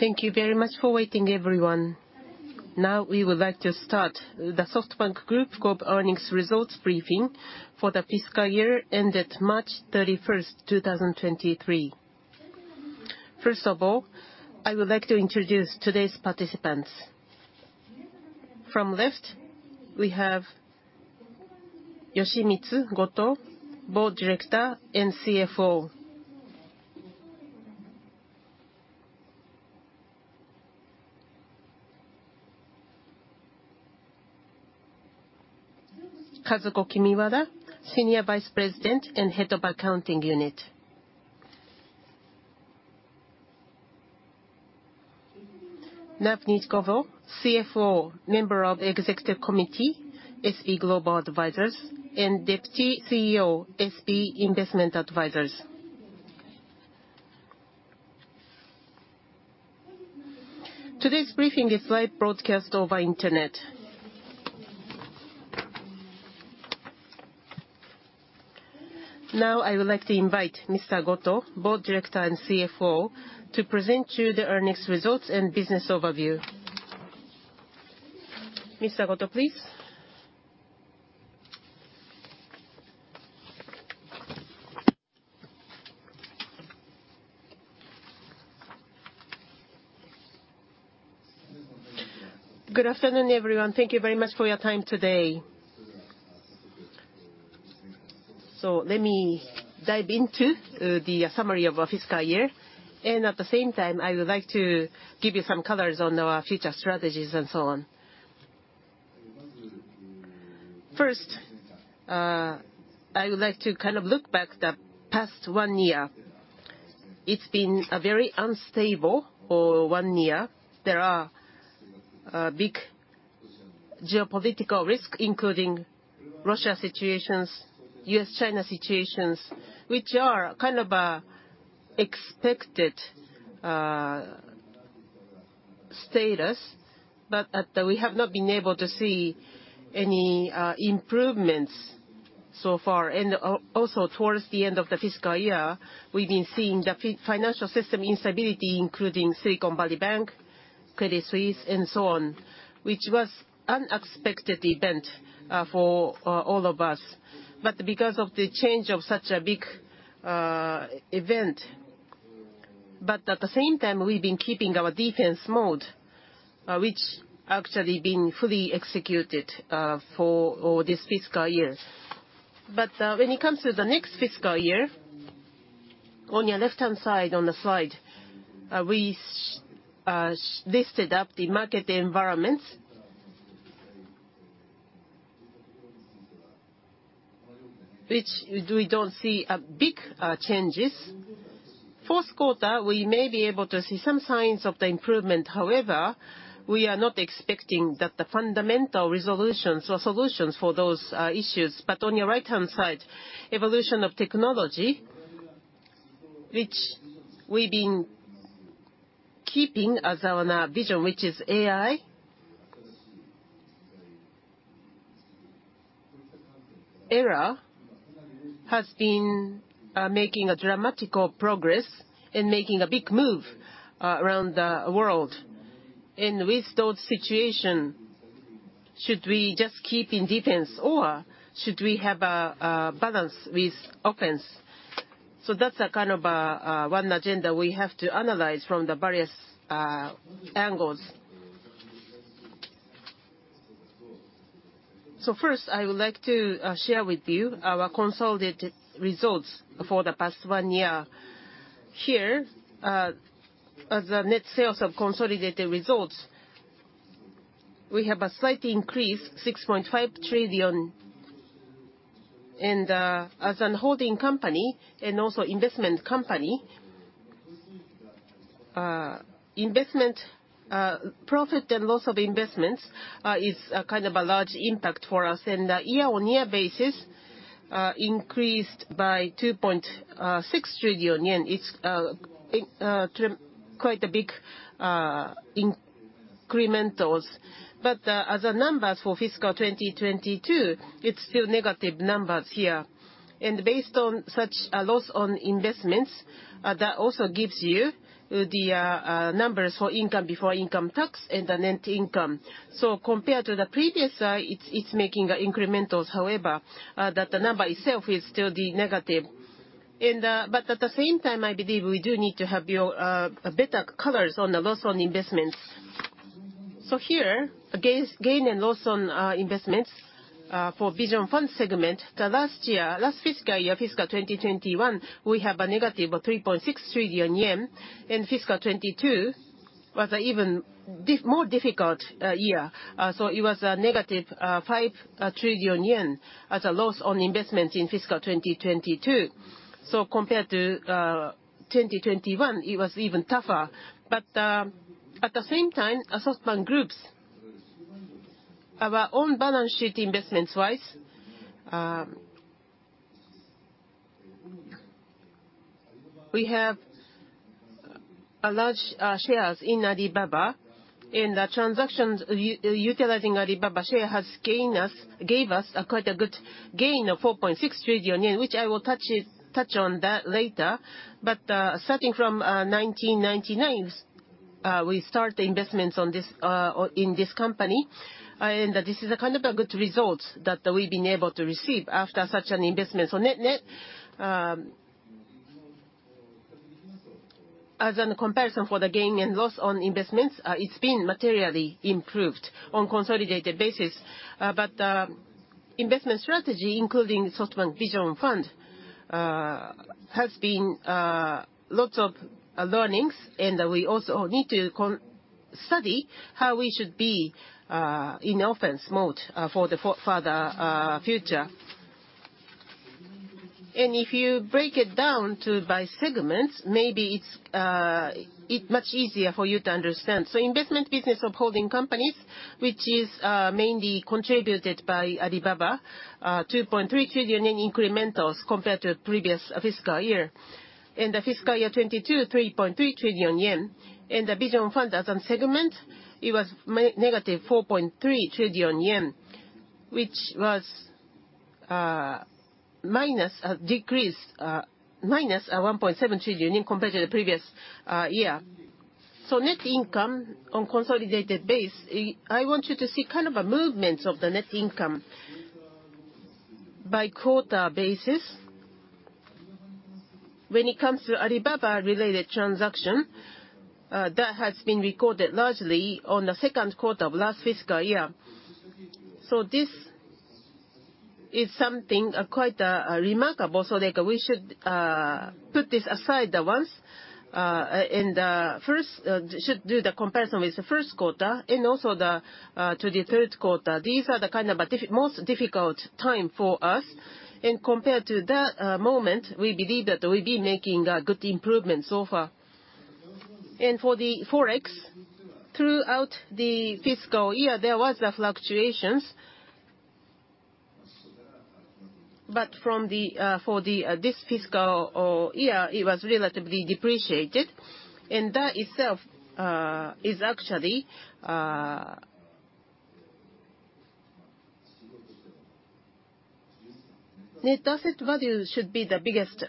Thank you very much for waiting, everyone. We would like to start the SoftBank Group Corp earnings results briefing for the fiscal year ended March 31st, 2023. First of all, I would like to introduce today's participants. From left, we have Yoshimitsu Goto, Board Director and CFO. Kazuko Kimiwada, Senior Vice President and Head of Accounting Unit. Navneet Govil, CFO, Member of Executive Committee, SB Global Advisers, and Deputy CEO, SB Investment Advisers. Today's briefing is live broadcast over Internet. I would like to invite Mr. Goto, Board Director and CFO, to present you the earnings results and business overview. Mr. Goto, please. Good afternoon, everyone. Thank you very much for your time today. Let me dive into the summary of our fiscal year, and at the same time, I would like to give you some colors on our future strategies and so on. First, I would like to kind of look back the past one year. It's been a very unstable one year. There are big geopolitical risk, including Russia situations, US-China situations, which are kind of a expected status, but we have not been able to see any improvements so far. Also, towards the end of the fiscal year, we've been seeing the financial system instability, including Silicon Valley Bank, Credit Suisse, and so on, which was unexpected event for all of us. Because of the change of such a big event, but at the same time, we've been keeping our defense mode, which actually been fully executed for this fiscal year. When it comes to the next fiscal year, on your left-hand side on the slide, we listed up the market environments. Which we don't see big changes. Fourth quarter, we may be able to see some signs of the improvement. However, we are not expecting that the fundamental resolutions or solutions for those issues. On your right-hand side, evolution of technology, which we've been keeping as our vision, which is AI. Era has been making a dramatical progress and making a big move around the world. With those situation, should we just keep in defense, or should we have a balance with offense? That's a kind of one agenda we have to analyze from the various angles. First, I would like to share with you our consolidated results for the past one year. Here, as a net sales of consolidated results, we have a slight increase, 6.5 trillion. As an holding company and also investment company, investment profit and loss of investments is a kind of a large impact for us. Year-on-year basis, increased by 2.6 trillion yen. It's quite a big incrementals. As a numbers for fiscal 2022, it's still negative numbers here. Based on such loss on investments, that also gives you the numbers for income before income tax and the net income. Compared to the previous, it's making incrementals, however, that the number itself is still the negative. At the same time, I believe we do need to have a better colors on the loss on investments. Here, against gain and loss on investments for Vision Fund segment, the last year, last fiscal year, fiscal 2021, we have a negative of 3.6 trillion yen. In fiscal 2022 was a even more difficult year. It was a negative 5 trillion yen as a loss on investment in fiscal 2022. Compared to 2021, it was even tougher. At the same time, as SoftBank Group's own balance sheet investments-wise, we have a large shares in Alibaba, and the transactions utilizing Alibaba share has gain us, gave us a quite a good gain of 4.6 trillion yen, which I will touch on that later. Starting from 1999, we start the investments on this in this company. This is a kind of a good results that we've been able to receive after such an investment. Net, net, as an comparison for the gain and loss on investments, it's been materially improved on consolidated basis. Investment strategy, including SoftBank Vision Fund, has been lots of learnings. We also need to study how we should be in offense mode for the future. If you break it down to by segments, maybe it's much easier for you to understand. Investment business of holding companies, which is mainly contributed by Alibaba, 2.3 trillion in incrementals compared to previous fiscal year. In the fiscal year 2022, 3.3 trillion yen. In the Vision Fund as a segment, it was negative 4.3 trillion yen, which was minus a decrease, minus a 1.7 trillion yen compared to the previous year. net income on consolidated base, I want you to see kind of a movement of the net income by quarter basis. When it comes to Alibaba-related transaction, that has been recorded largely on the Q2 of last fiscal year. This is something quite remarkable. like we should put this aside the ones, and first should do the comparison with the first quarter and also the to the third quarter. These are the kind of most difficult time for us. Compared to that moment, we believe that we'll be making good improvements so far. For the Forex, throughout the fiscal year, there was the fluctuations. For the this fiscal year, it was relatively depreciated. That itself is actually Net Asset Value should be the biggest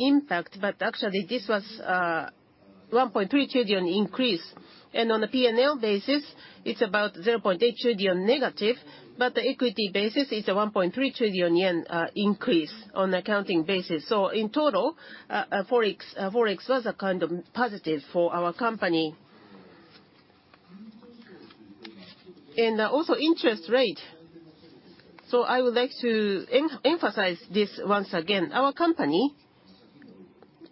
impact, actually this was a 1.3 trillion increase. On the P&L basis, it's about 0.8 trillion negative. The equity basis is a 1.3 trillion yen increase on accounting basis. In total, Forex was a kind of positive for our company. Also interest rate. I would like to emphasize this once again. Our company,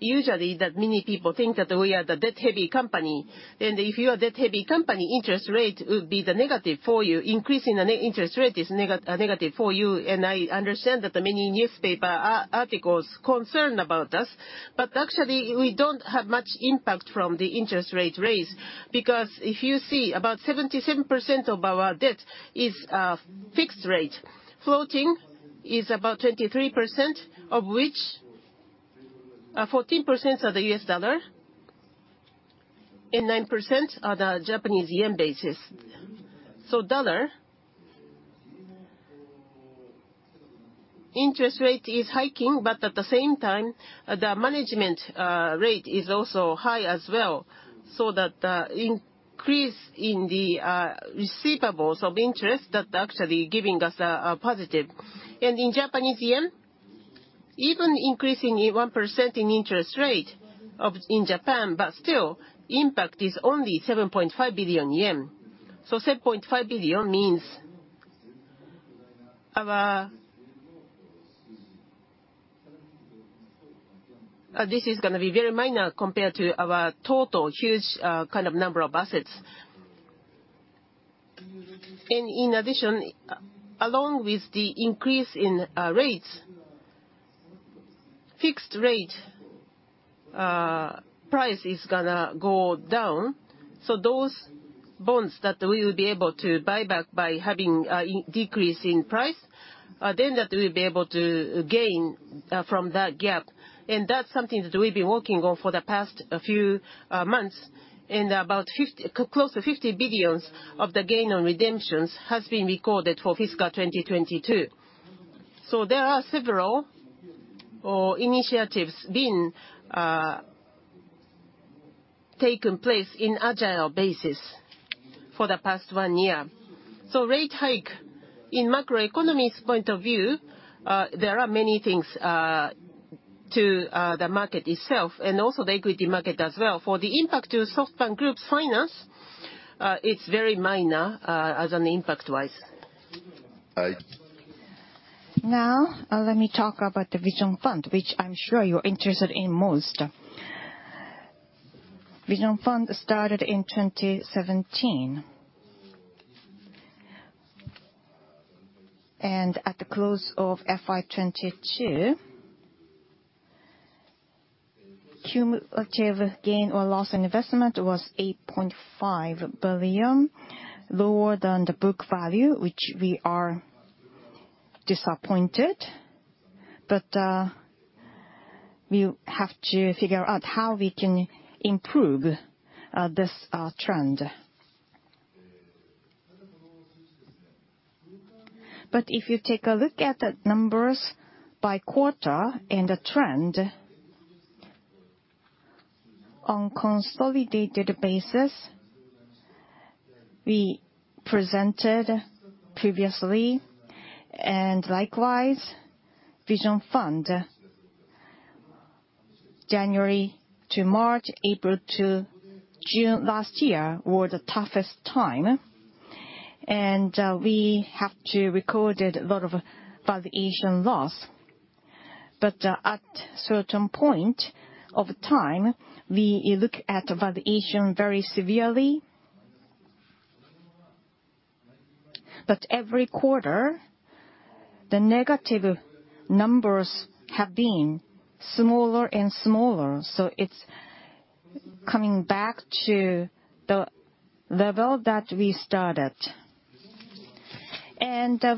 usually that many people think that we are the debt-heavy company. If you are debt-heavy company, interest rate would be the negative for you. Increasing the interest rate is negative for you. I understand that the many newspaper articles concerned about us. Actually, we don't have much impact from the interest rate raise. Because if you see, about 77% of our debt is fixed rate. Floating is about 23%, of which 14% are the US dollar and 9% are the Japanese yen basis. Dollar, interest rate is hiking, at the same time, the management rate is also high as well, so that the increase in the receivables of interest that actually giving us a positive. In Japanese yen, even increasing it 1% in interest rate of, in Japan, but still impact is only 7.5 billion yen. 7.5 billion means our This is gonna be very minor compared to our total huge kind of number of assets. In addition, along with the increase in rates, fixed rate price is gonna go down. Those bonds that we will be able to buy back by having a decrease in price, then that we'll be able to gain from that gap. That's something that we've been working on for the past few months. About close to 50 billions of the gain on redemptions has been recorded for fiscal 2022. There are several initiatives being taken place in agile basis for the past one year. Rate hike in macroeconomist point of view, there are many things to the market itself and also the equity market as well. For the impact to SoftBank Group's finance, it's very minor as on impact-wise. I- Let me talk about the Vision Fund, which I'm sure you're interested in most. Vision Fund started in 2017. At the close of FY 2022, cumulative gain or loss in investment was $8.5 billion, lower than the book value, which we are Disappointed, but we have to figure out how we can improve this trend. If you take a look at the numbers by quarter and the trend, on consolidated basis, we presented previously, and likewise, Vision Fund, January to March, April to June last year were the toughest time, and we have to record a lot of valuation loss. At certain point of time, we look at valuation very severely. Every quarter, the negative numbers have been smaller and smaller, so it's coming back to the level that we started.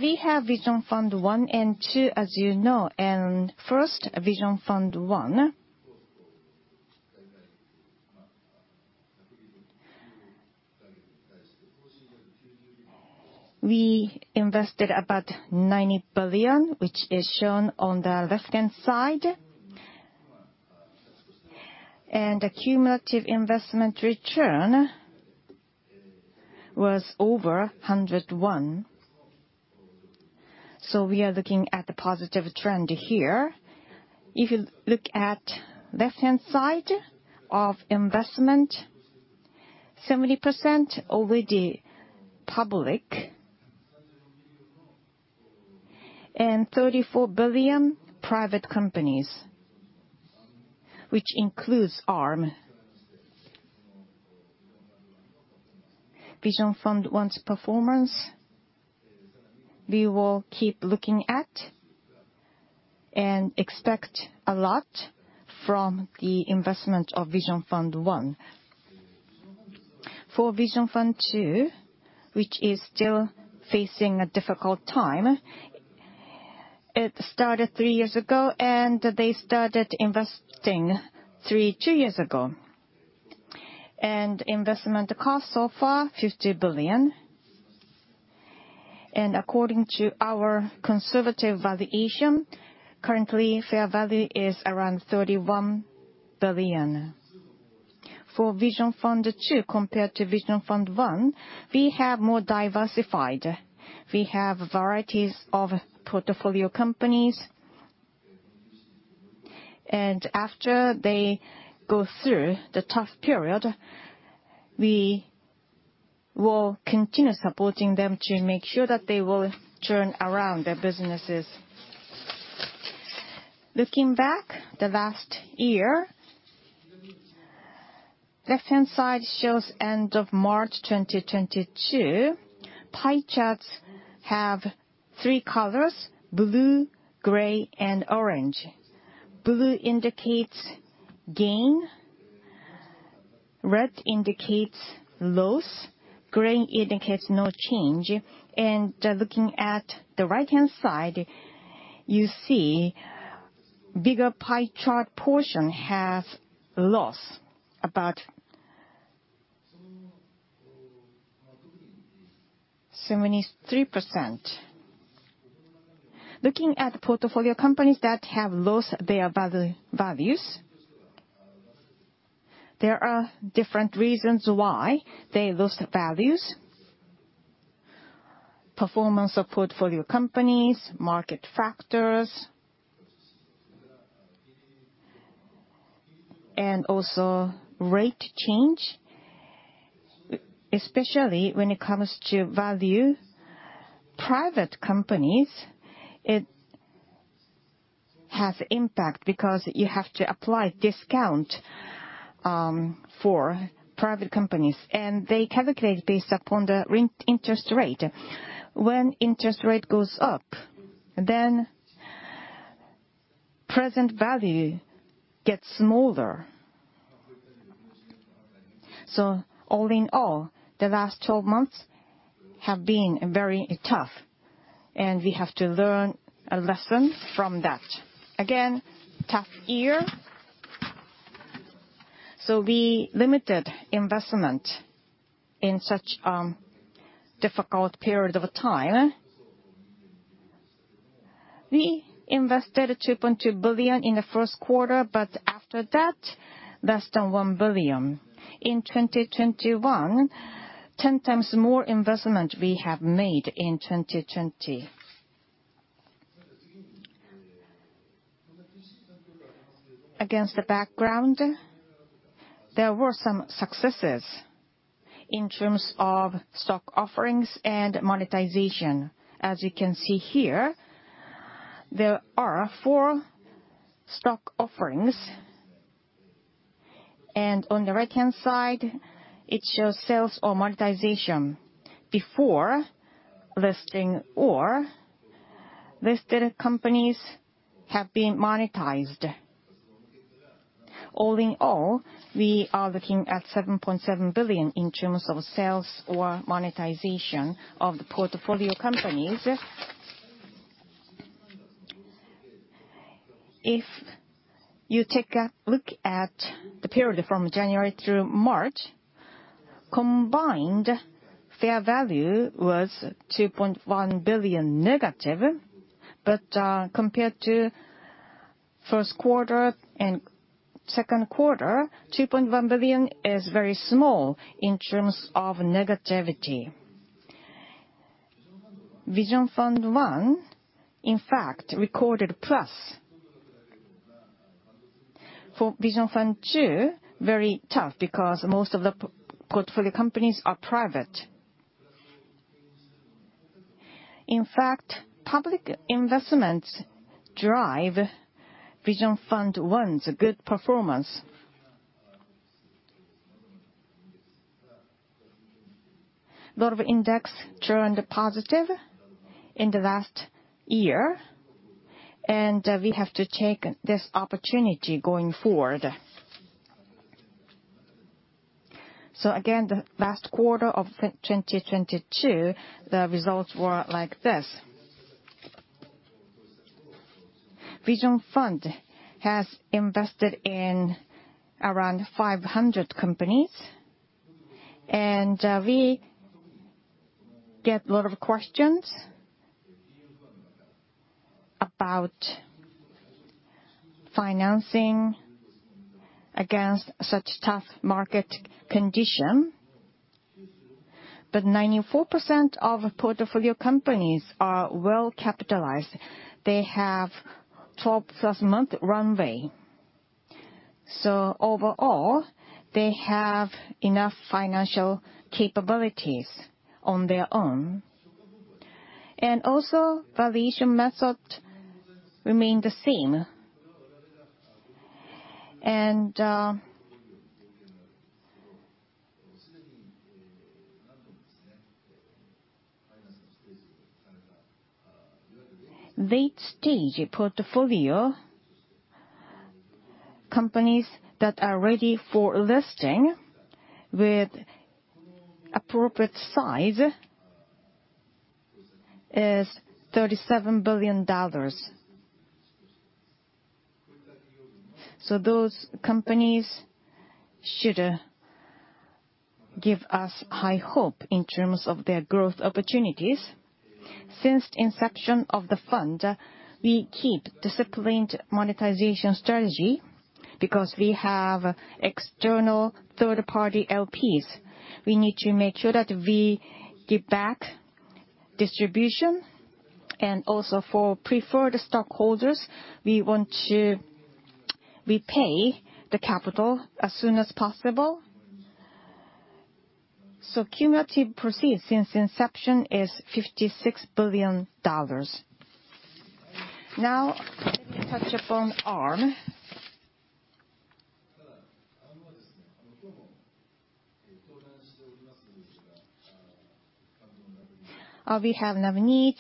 We have Vision Fund 1 and 2, as you know, and first, Vision Fund 1. We invested about $90 billion, which is shown on the left-hand side. The cumulative investment return was over 101. We are looking at the positive trend here. If you look at left-hand side of investment, 70% already public and $34 billion private companies, which includes Arm. Vision Fund 1's performance, we will keep looking at and expect a lot from the investment of Vision Fund 1. For Vision Fund 2, which is still facing a difficult time, it started 3 years ago, they started investing 2 years ago. Investment cost so far, $50 billion. According to our conservative valuation, currently fair value is around $31 billion. For Vision Fund 2 compared to Vision Fund 1, we have more diversified. We have varieties of portfolio companies. After they go through the tough period, we will continue supporting them to make sure that they will turn around their businesses. Looking back the last year, left-hand side shows end of March 2022. Pie charts have 3 colors, blue, gray, and orange. Blue indicates gain, red indicates loss, gray indicates no change. Looking at the right-hand side, you see bigger pie chart portion has loss, about 73%. Looking at portfolio companies that have lost their values, there are different reasons why they lost values. Performance of portfolio companies, market factors, and also rate change, especially when it comes to value. Private companies, it has impact because you have to apply discount for private companies, and they calculate based upon the rent interest rate. When interest rate goes up, then present value gets smaller. All in all, the last 12 months have been very tough, and we have to learn a lesson from that. Again, tough year, we limited investment in such difficult period of time. We invested $2.2 billion in the Q1 but after that, less than $1 billion. In 2021, 10 times more investment we have made in 2020. Against the background, there were some successes in terms of stock offerings and monetization. As you can see here, there are 4 stock offerings. On the right-hand side, it shows sales or monetization before listing or listed companies have been monetized. All in all, we are looking at $7.7 billion in terms of sales or monetization of the portfolio companies. If you take a look at the period from January through March, combined fair value was $2.1 billion negative. Compared to 1st quarter and 2nd quarter, $2.1 billion is very small in terms of negativity. Vision Fund One, in fact, recorded plus. For Vision Fund Two, very tough because most of the portfolio companies are private. In fact, public investments drive Vision Fund One's good performance. Lot of index turned positive in the last year, and we have to take this opportunity going forward. Again, the last quarter of 2022, the results were like this. Vision Fund has invested in around 500 companies, and we get a lot of questions about financing against such tough market condition. Ninety-four percent of portfolio companies are well capitalized. They have 12+ month runway. Overall, they have enough financial capabilities on their own. Also, valuation method remained the same. Late stage portfolio companies that are ready for listing with appropriate size is $37 billion. Those companies should give us high hope in terms of their growth opportunities. Since inception of the fund, we keep disciplined monetization strategy because we have external third party LPs. We need to make sure that we give back distribution. Also for preferred stockholders, we want to repay the capital as soon as possible. Cumulative proceeds since inception is $56 billion. Now, touch upon Arm. We have Navneet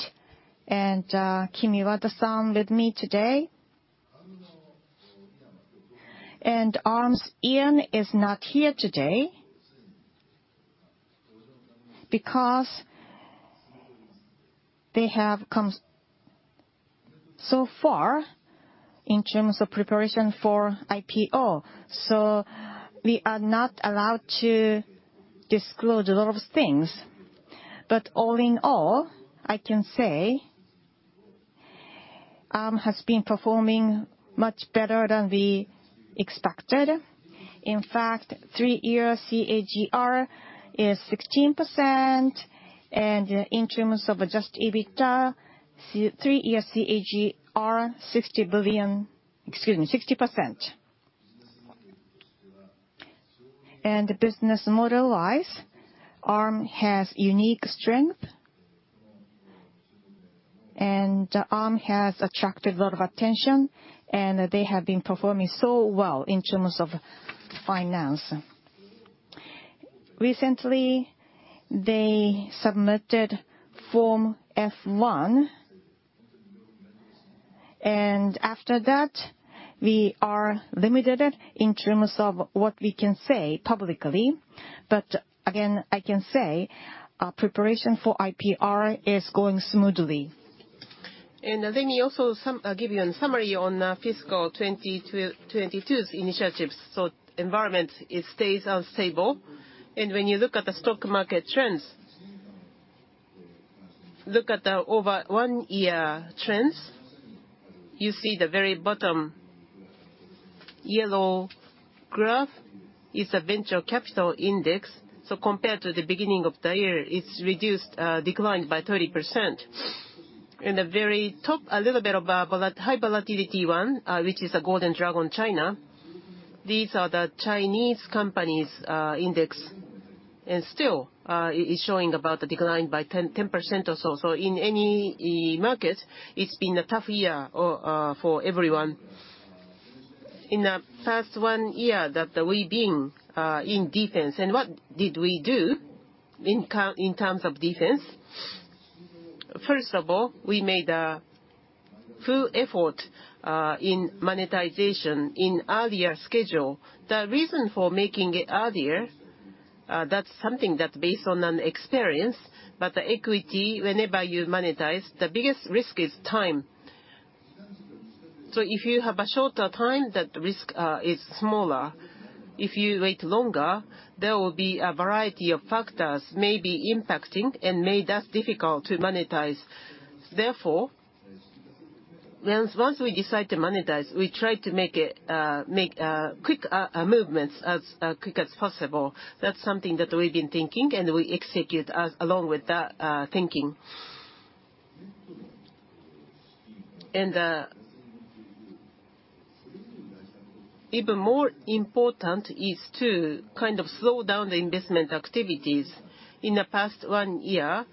and Kimiwada-san with me today. Arm's Ian is not here today because they have come so far in terms of preparation for IPO, so we are not allowed to disclose a lot of things. All in all, I can say Arm has been performing much better than we expected. In fact, three-year CAGR is 16%, and in terms of adjusted EBITDA, three-year CAGR, 60%. Business model-wise, Arm has unique strength. Arm has attracted a lot of attention, and they have been performing so well in terms of finance. Recently, they submitted Form F-1. After that, we are limited in terms of what we can say publicly. Again, I can say our preparation for IPO is going smoothly. Let me also give you a summary on fiscal 2022's initiatives. Environment, it stays unstable. When you look at the stock market trends, look at over 1 year trends, you see the very bottom yellow graph is a Venture Capital Index. Compared to the beginning of the year, it's reduced, declined by 30%. In the very top, a little bit above a high volatility one, which is a Golden Dragon China, these are the Chinese companies index, and still is showing about a decline by 10% or so. In any market, it's been a tough year for everyone. In the past one year that we've been in defense, what did we do in terms of defense? First of all, we made a full effort in monetization in earlier schedule. The reason for making it earlier, that's something that based on an experience. The equity, whenever you monetize, the biggest risk is time. If you have a shorter time, that risk is smaller. If you wait longer, there will be a variety of factors may be impacting and made us difficult to monetize. Well, once we decide to monetize, we try to make it quick movements as quick as possible. That's something that we've been thinking and we execute as along with that thinking. Even more important is to kind of slow down the investment activities. In the past one year,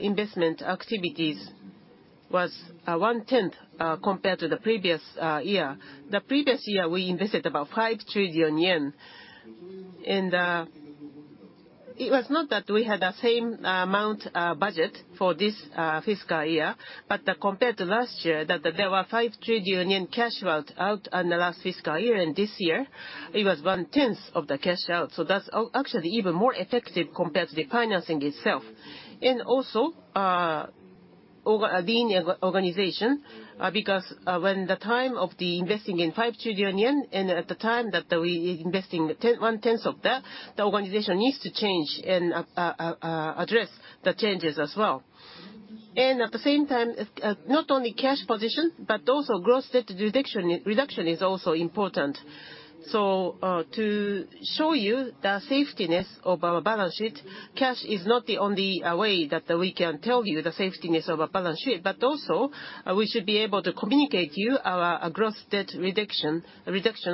investment activities was one-tenth compared to the previous year. The previous year, we invested about 5 trillion yen. It was not that we had the same amount budget for this fiscal year, but compared to last year that there were 5 trillion cash out on the last fiscal year, and this year it was one-tenth of the cash out. That's actually even more effective compared to the financing itself. Also, lean organization, because when the time of the investing in 5 trillion yen and at the time that we investing one-tenth of that, the organization needs to change and address the changes as well. At the same time, not only cash position, but also gross debt reduction is also important. to show you the safetiness of our balance sheet, cash is not the only way that we can tell you the safetiness of our balance sheet, but also, we should be able to communicate you our gross debt reduction,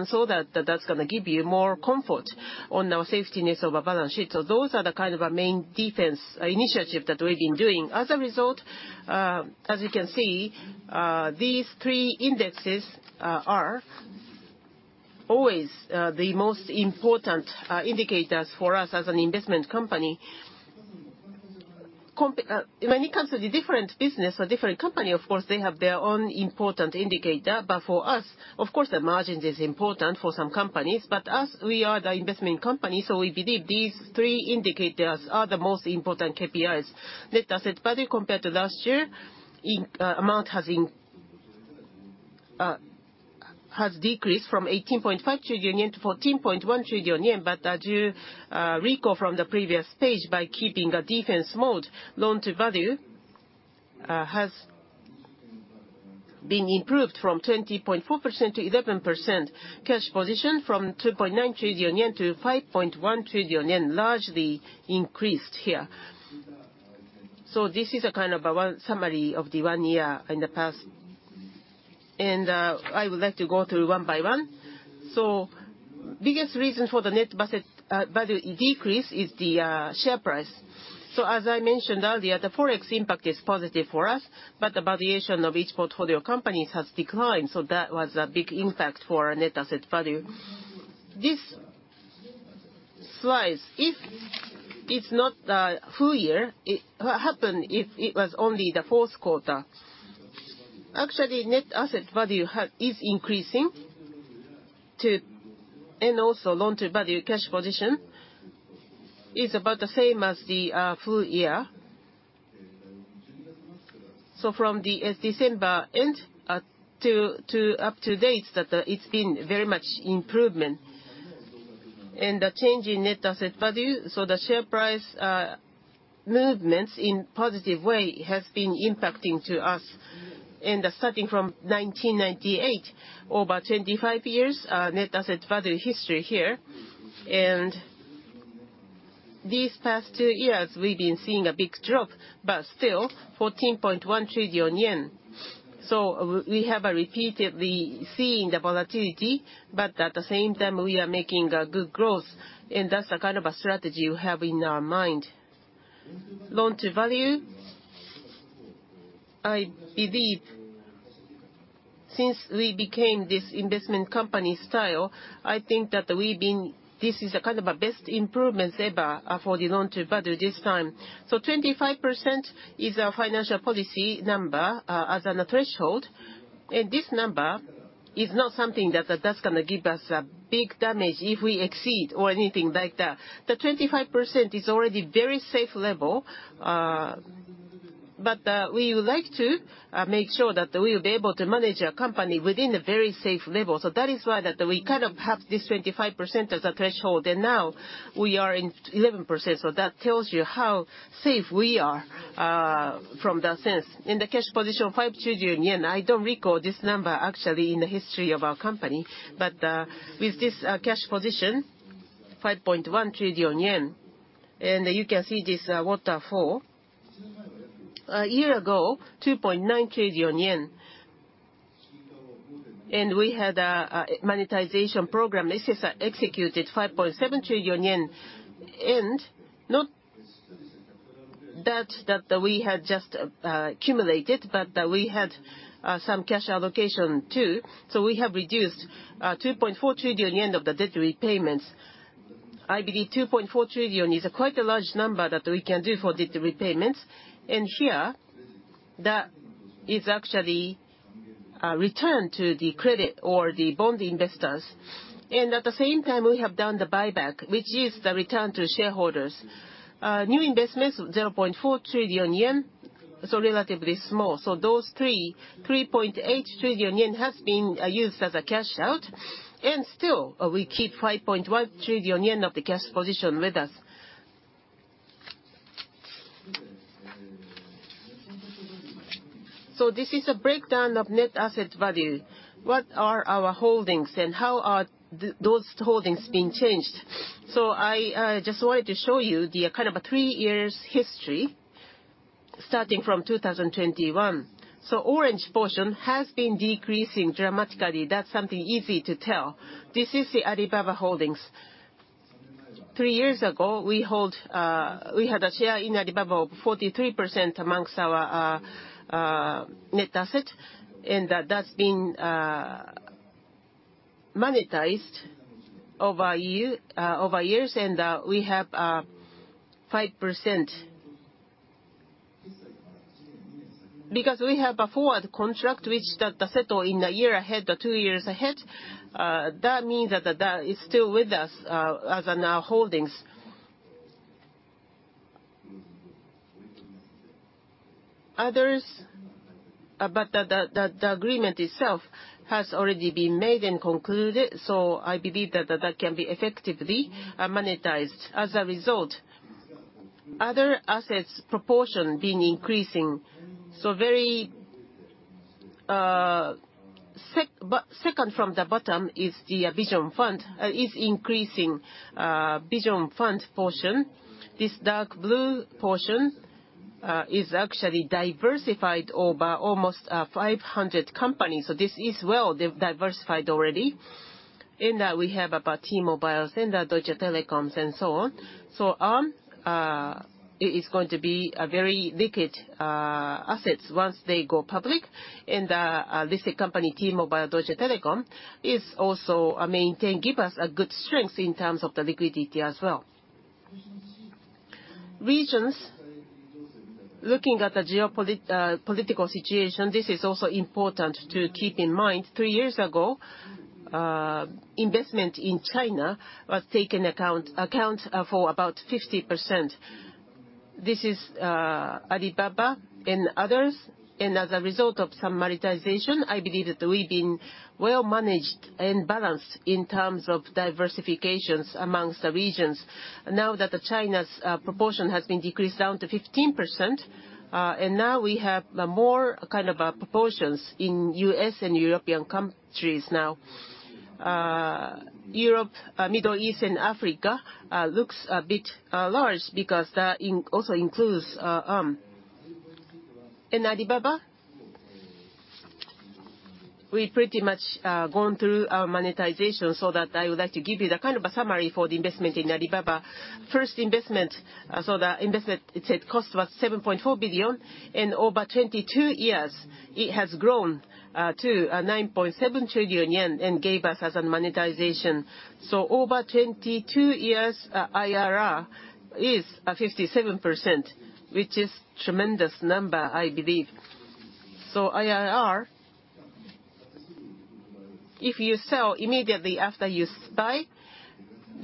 so that that's gonna give you more comfort on our safetiness of our balance sheet. Those are the kind of our main defense initiative that we've been doing. As a result, as you can see, these three indexes are always the most important indicators for us as an investment company. When it comes to the different business or different company, of course, they have their own important indicator. for us, of course, the margins is important for some companies, but us, we are the investment company, so we believe these three indicators are the most important KPIs. Net Asset Value compared to last year in amount has in has decreased from 18.5 trillion yen to 14.1 trillion yen. As you recall from the previous page, by keeping a defense mode, Loan-to-Value has been improved from 20.4% to 11%. Cash position from 2.9 trillion yen to 5.1 trillion yen, largely increased here. This is a kind of a one summary of the one year in the past, and I would like to go through one by one. Biggest reason for the Net Asset Value decrease is the share price. As I mentioned earlier, the Forex impact is positive for us, but the valuation of each portfolio companies has declined, so that was a big impact for our Net Asset Value. This slide, if it's not the full year, what happened if it was only the fourth quarter? Actually, Net Asset Value is increasing to. Also Loan-to-Value cash position is about the same as the full year. From the December end, till up to date, that it's been very much improvement. The change in Net Asset Value, so the share price movements in positive way has been impacting to us. Starting from 1998, over 25 years, Net Asset Value history here. These past 2 years we've been seeing a big drop, but still 14.1 trillion yen. We have repeatedly seen the volatility, but at the same time we are making a good growth, and that's the kind of a strategy we have in our mind. Loan-to-Value, I believe since we became this investment company style, I think that we've been this is a kind of a best improvements ever for the Loan-to-Value this time. 25% is our financial policy number as a threshold. This number is not something that that's gonna give us a big damage if we exceed or anything like that. The 25% is already very safe level, but we would like to make sure that we will be able to manage our company within a very safe level. That is why that we kind of have this 25% as a threshold, and now we are in 11%. That tells you how safe we are from that sense. In the cash position, 5 trillion yen, I don't recall this number actually in the history of our company, but with this cash position, 5.1 trillion yen, you can see this waterfall. A year ago, 2.9 trillion yen, we had a monetization program executed 5.7 trillion yen. Not that we had just accumulated, but we had some cash allocation too. We have reduced 2.4 trillion yen of the debt repayments. I believe 2.4 trillion is a quite a large number that we can do for debt repayments. Here, that is actually return to the credit or the bond investors. At the same time, we have done the buyback, which is the return to shareholders. New investments of 0.4 trillion yen, so relatively small. Those 3.8 trillion yen has been used as a cash out. Still we keep 5.1 trillion yen of the cash position with us. This is a breakdown of Net Asset Value. What are our holdings and how are those holdings being changed? I just wanted to show you the kind of a 3 years history starting from 2021. Orange portion has been decreasing dramatically. That's something easy to tell. This is the Alibaba holdings. 3 years ago, we had a share in Alibaba of 43% amongst our net asset. That's been monetized over years. We have 5%. We have a forward contract which that settle in 1 year ahead or 2 years ahead, that means that that is still with us as in our holdings. The agreement itself has already been made and concluded, so I believe that that can be effectively monetized. As a result, other assets proportion been increasing. Very, Second from the bottom is the Vision Fund is increasing Vision Fund portion. This dark blue portion is actually diversified over almost 500 companies. This is well diversified already. In that we have about T-Mobile and Deutsche Telekom and so on. It is going to be a very liquid assets once they go public. Listed company T-Mobile, Deutsche Telekom is also maintain, give us a good strength in terms of the liquidity as well. Regions, looking at the political situation, this is also important to keep in mind. Three years ago, investment in China was take in account for about 50%. This is Alibaba and others. As a result of some monetization, I believe that we've been well managed and balanced in terms of diversifications amongst the regions. Now that the China's proportion has been decreased down to 15%, and now we have more kind of proportions in U.S. and European countries now. Europe, Middle East and Africa looks a bit large because that also includes and Alibaba. We pretty much gone through our monetization. I would like to give you the kind of a summary for the investment in Alibaba. First investment, the investment cost was 7.4 billion. Over 22 years, it has grown to 9.7 trillion yen and gave us as a monetization. Over 22 years, IRR is 57%, which is tremendous number, I believe. IRR, if you sell immediately after you buy,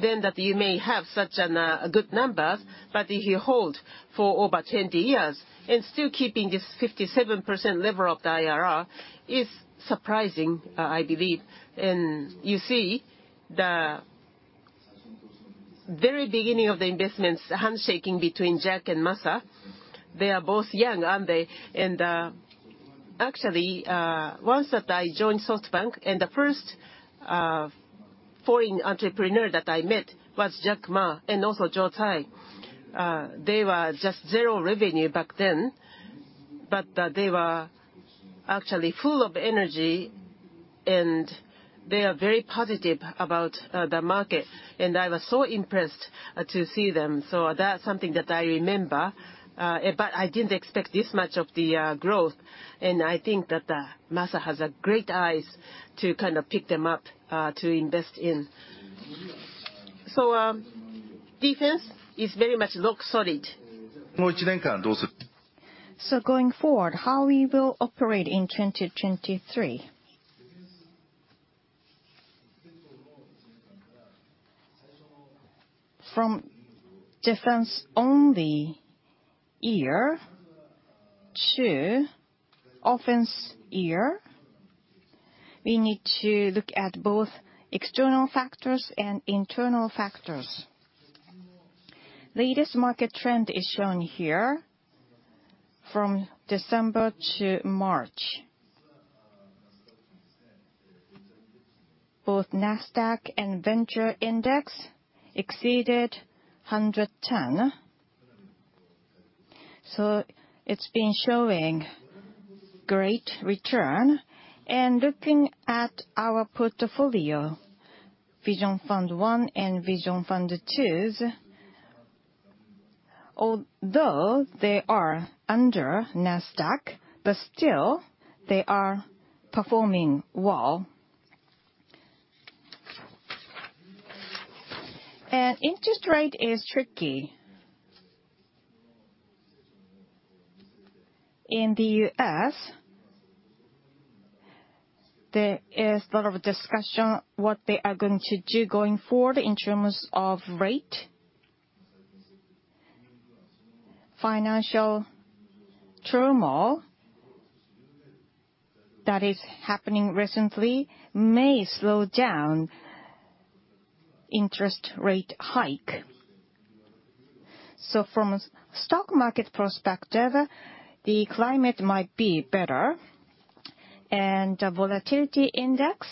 then that you may have such a good number. If you hold for over 20 years and still keeping this 57% level of the IRR is surprising, I believe. You see the very beginning of the investments, the handshaking between Jack and Masa, they are both young, aren't they? Actually, once that I joined SoftBank, the first foreign entrepreneur that I met was Jack Ma and also Joe Tsai. They were just 0 revenue back then, but they were actually full of energy, and they are very positive about the market. I was so impressed to see them. That's something that I remember. But I didn't expect this much of the growth. I think that Masa has a great eyes to kind of pick them up to invest in. Defense is very much look solid. Going forward, how we will operate in 2023. From defense only year to offense year, we need to look at both external factors and internal factors. Latest market trend is shown here from December to March. Both Nasdaq and Venture Index exceeded 110. It's been showing great return. Looking at our portfolio, Vision Fund 1 and Vision Fund 2 Although they are under Nasdaq, but still they are performing well. Interest rate is tricky. In the U.S., there is lot of discussion what they are going to do going forward in terms of rate. Financial turmoil that is happening recently may slow down interest rate hike. From a stock market perspective, the climate might be better, and the volatility index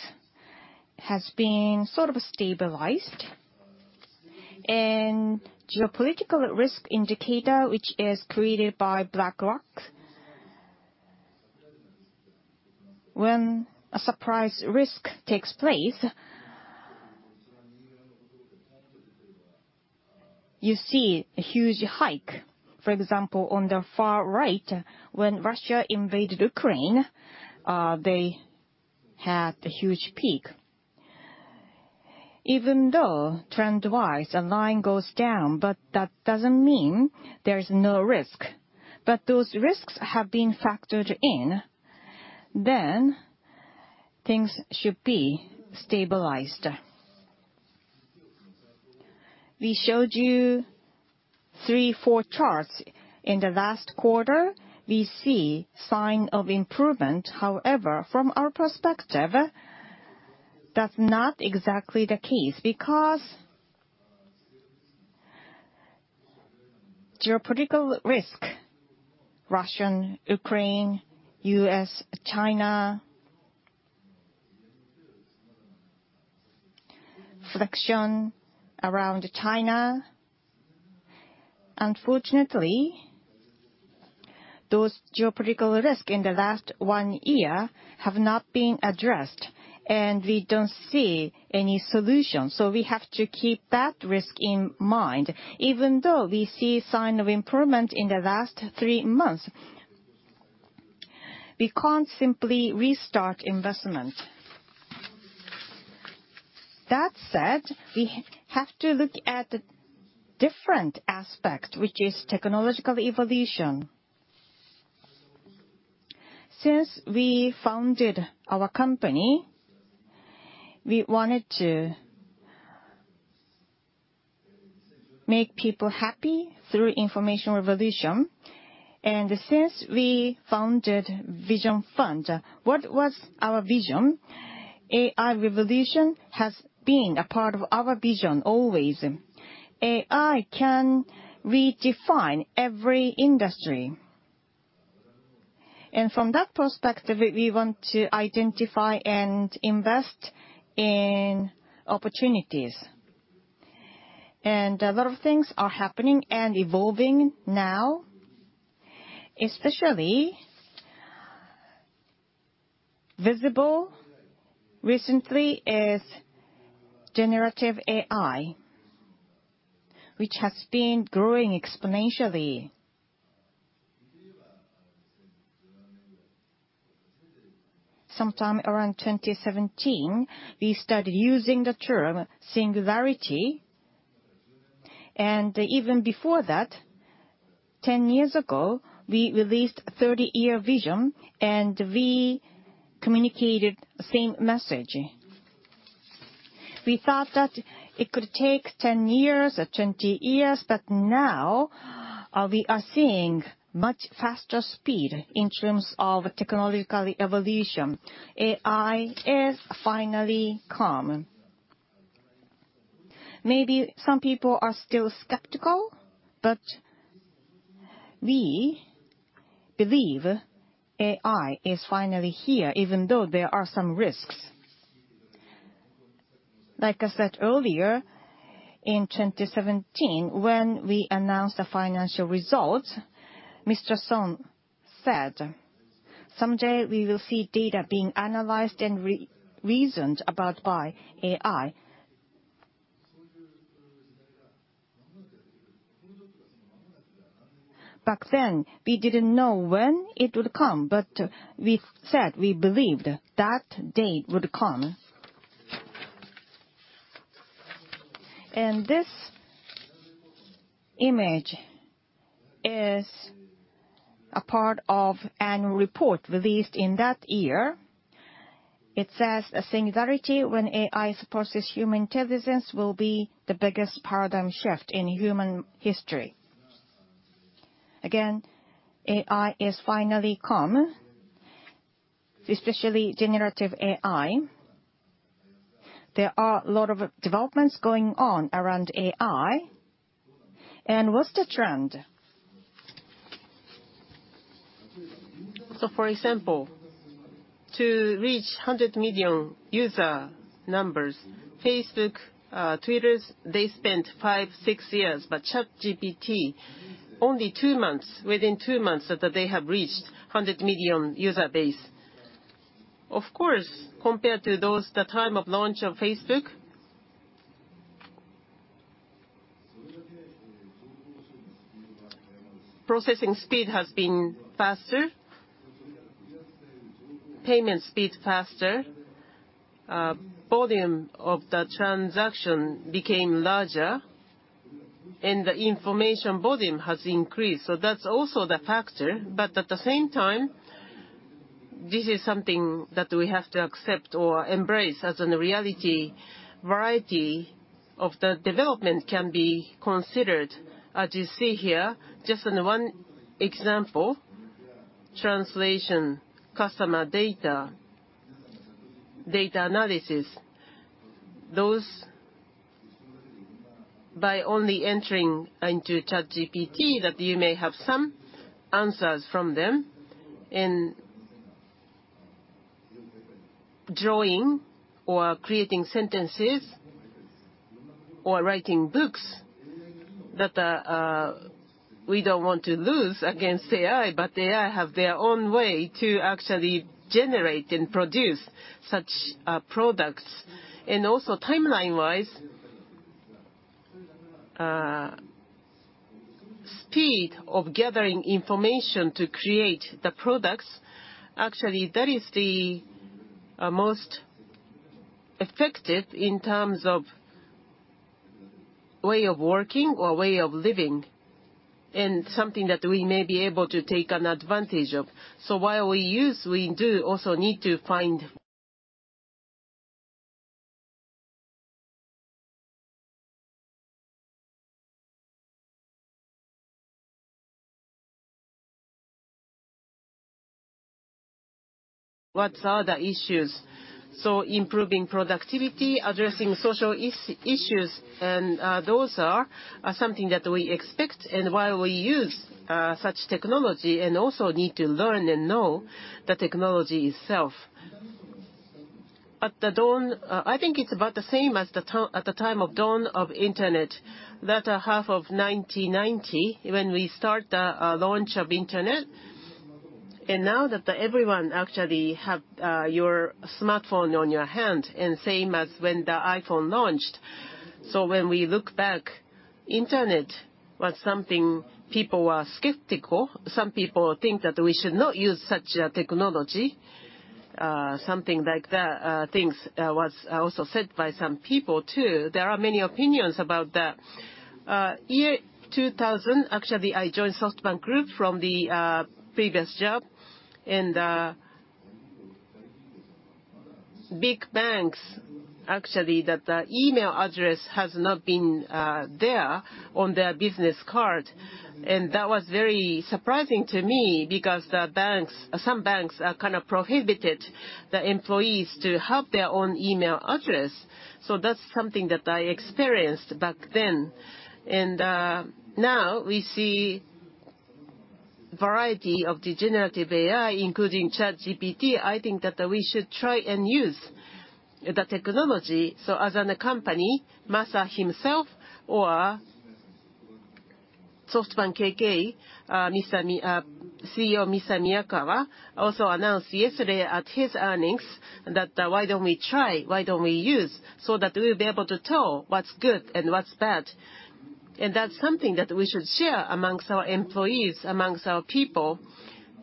has been sort of stabilized. Geopolitical risk indicator which is created by BlackRock, when a surprise risk takes place, you see a huge hike. For example, on the far right, when Russia invaded Ukraine, they had a huge peak. Even though trend-wise the line goes down, but that doesn't mean there's no risk. Those risks have been factored in, then things should be stabilized. We showed you 3, 4 charts in the last quarter. We see sign of improvement. However, from our perspective, that's not exactly the case because geopolitical risk, Russia, Ukraine, U.S., China, friction around China. Unfortunately, those geopolitical risk in the last one year have not been addressed, and we don't see any solution. We have to keep that risk in mind. Even though we see sign of improvement in the last three months, we can't simply restart investment. That said, we have to look at different aspect, which is technological evolution. Since we founded our company, we wanted to make people happy through information revolution. Since we founded Vision Fund, what was our vision? AI revolution has been a part of our vision always. AI can redefine every industry. From that perspective, we want to identify and invest in opportunities. A lot of things are happening and evolving now. Especially visible recently is generative AI, which has been growing exponentially. Sometime around 2017, we started using the term technological singularity. Even before that, 10 years ago, we released a 30-year vision, we communicated same message. We thought that it could take 10 years or 20 years, now, we are seeing much faster speed in terms of technological evolution. AI is finally come. Maybe some people are still skeptical, but we believe AI is finally here, even though there are some risks. Like I said earlier, in 2017, when we announced the financial results, Mr. Son said, "Someday we will see data being analyzed and re-reasoned about by AI." Back then, we didn't know when it would come, but we said we believed that day would come. This image is a part of annual report released in that year. It says, "A singularity when AI surpasses human intelligence will be the biggest paradigm shift in human history." Again, AI is finally come, especially Generative AI. There are a lot of developments going on around AI, and what's the trend? For example, to reach 100 million user numbers, Facebook, Twitter, they spent five, six years. ChatGPT, only two months, within two months that they have reached 100 million user base. Of course, compared to those the time of launch of Facebook, processing speed has been faster, payment speed faster, volume of the transaction became larger, and the information volume has increased. That's also the factor. At the same time, this is something that we have to accept or embrace as an reality. Variety of the development can be considered. As you see here, just in the one example, translation, customer data analysis, those by only entering into ChatGPT, that you may have some answers from them. Drawing or creating sentences or writing books that we don't want to lose against AI, but AI have their own way to actually generate and produce such products. Timeline-wise, speed of gathering information to create the products, actually that is the most effective in terms of way of working or way of living, and something that we may be able to take an advantage of. While we use, we do also need to find. What are the issues? Improving productivity, addressing social issues, and those are something that we expect and why we use such technology and also need to learn and know the technology itself. At the dawn, I think it's about the same as at the time of dawn of Internet. That half of 1990 when we start launch of Internet, and now that everyone actually have your smartphone on your hand, and same as when the iPhone launched. When we look back, Internet was something people were skeptical. Some people think that we should not use such a technology. Something like that, things was also said by some people too. There are many opinions about that. Year 2000, actually, I joined SoftBank Group from the previous job. Big banks, actually, that the email address has not been there on their business card. That was very surprising to me because the banks, some banks, kind of prohibited the employees to have their own email address. That's something that I experienced back then. Now we see variety of the Generative AI, including ChatGPT. I think that we should try and use the technology. As an company, Masa himself or SoftBank KK, CEO Mr. Miyakawa, also announced yesterday at his earnings that, why don't we try, why don't we use, so that we'll be able to tell what's good and what's bad. That's something that we should share amongst our employees, amongst our people,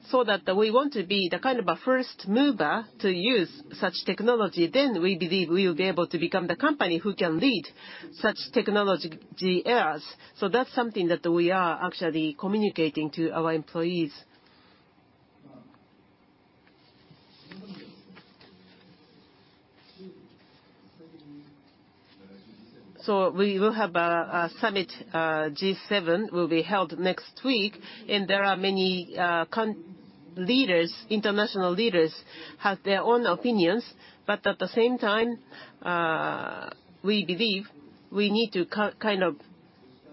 so that we want to be the kind of a first mover to use such technology. We believe we will be able to become the company who can lead such technology eras. That's something that we are actually communicating to our employees. We will have a summit, G7 will be held next week, and there are many leaders, international leaders, have their own opinions. At the same time, we believe we need to kind of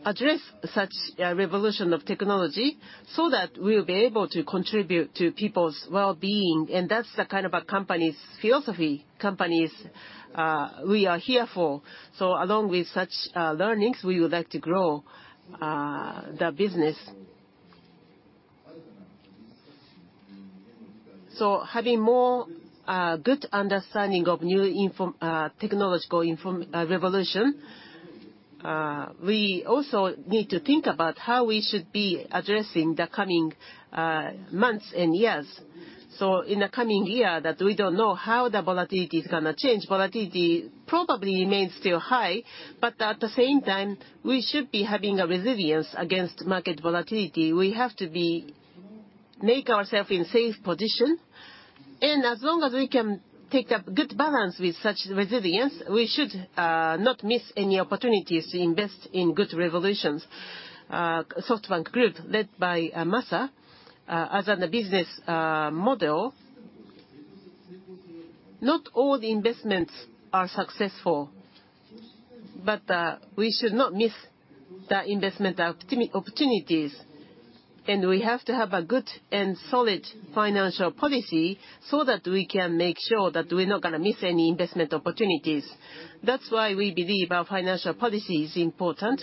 address such a revolution of technology so that we'll be able to contribute to people's well-being. That's the kind of a company's philosophy, companies we are here for. Along with such learnings, we would like to grow the business. Having more good understanding of new info technological inform revolution, we also need to think about how we should be addressing the coming months and years. In the coming year, that we don't know how the volatility is gonna change. Volatility probably remains still high, but at the same time, we should be having a resilience against market volatility. We have to make ourself in safe position. As long as we can take a good balance with such resilience, we should not miss any opportunities to invest in good revolutions. SoftBank Group, led by Masa, as an business model, not all the investments are successful. We should not miss the investment opportunities. We have to have a good and solid financial policy so that we can make sure that we're not gonna miss any investment opportunities. That's why we believe our financial policy is important.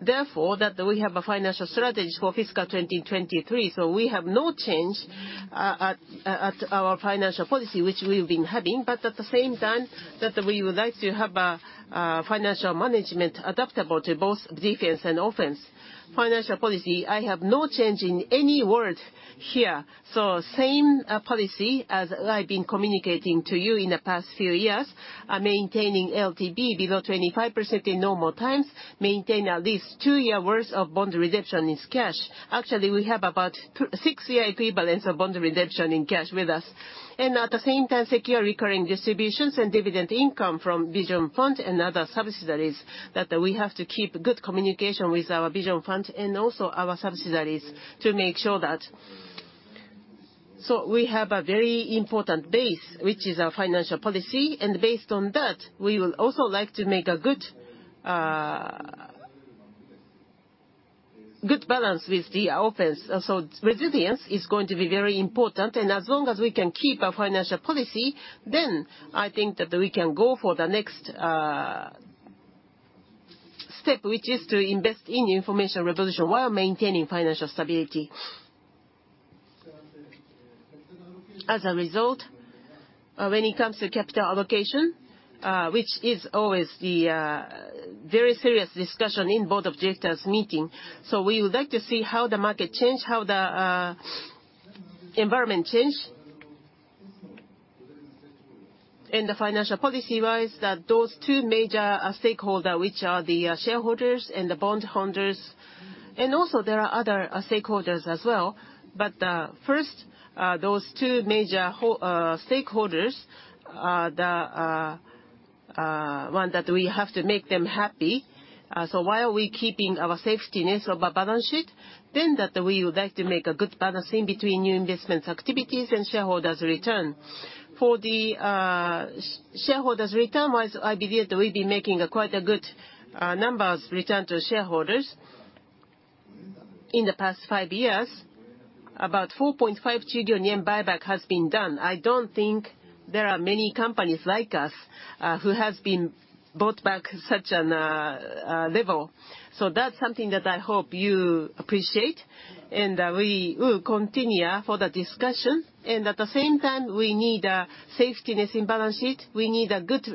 Therefore, we have a financial strategy for fiscal 2023, so we have no change at our financial policy which we've been having. At the same time, we would like to have a financial management adaptable to both defense and offense. Financial policy, I have no change in any words here. Same policy as I've been communicating to you in the past few years, are maintaining LTV below 25% in normal times, maintain at least 2 years' worth of bond redemption in cash. Actually, we have about 6 year equivalence of bond redemption in cash with us. At the same time, secure recurring distributions and dividend income from Vision Fund and other subsidiaries that we have to keep good communication with our Vision Fund and also our subsidiaries to make sure that. We have a very important base, which is our financial policy, and based on that, we will also like to make a good balance with the offense. Resilience is going to be very important. As long as we can keep our financial policy, then I think that we can go for the next step, which is to invest in information revolution while maintaining financial stability. As a result, when it comes to capital allocation, which is always the very serious discussion in Board of Directors meeting. We would like to see how the market change, how the environment change. The financial policy-wise, that those two major stakeholder, which are the shareholders and the bondholders, and also there are other stakeholders as well. First, those two major stakeholders are the one that we have to make them happy. While we keeping our safety net of our balance sheet, we would like to make a good balance in between new investments activities and shareholders return. For the shareholders return, whilst IBM, we've been making a quite a good numbers return to shareholders. In the past five years, about 4.5 trillion yen buyback has been done. I don't think there are many companies like us who has been bought back such an level. That's something that I hope you appreciate, and we will continue for the discussion. At the same time, we need a safety net in balance sheet. We need a good.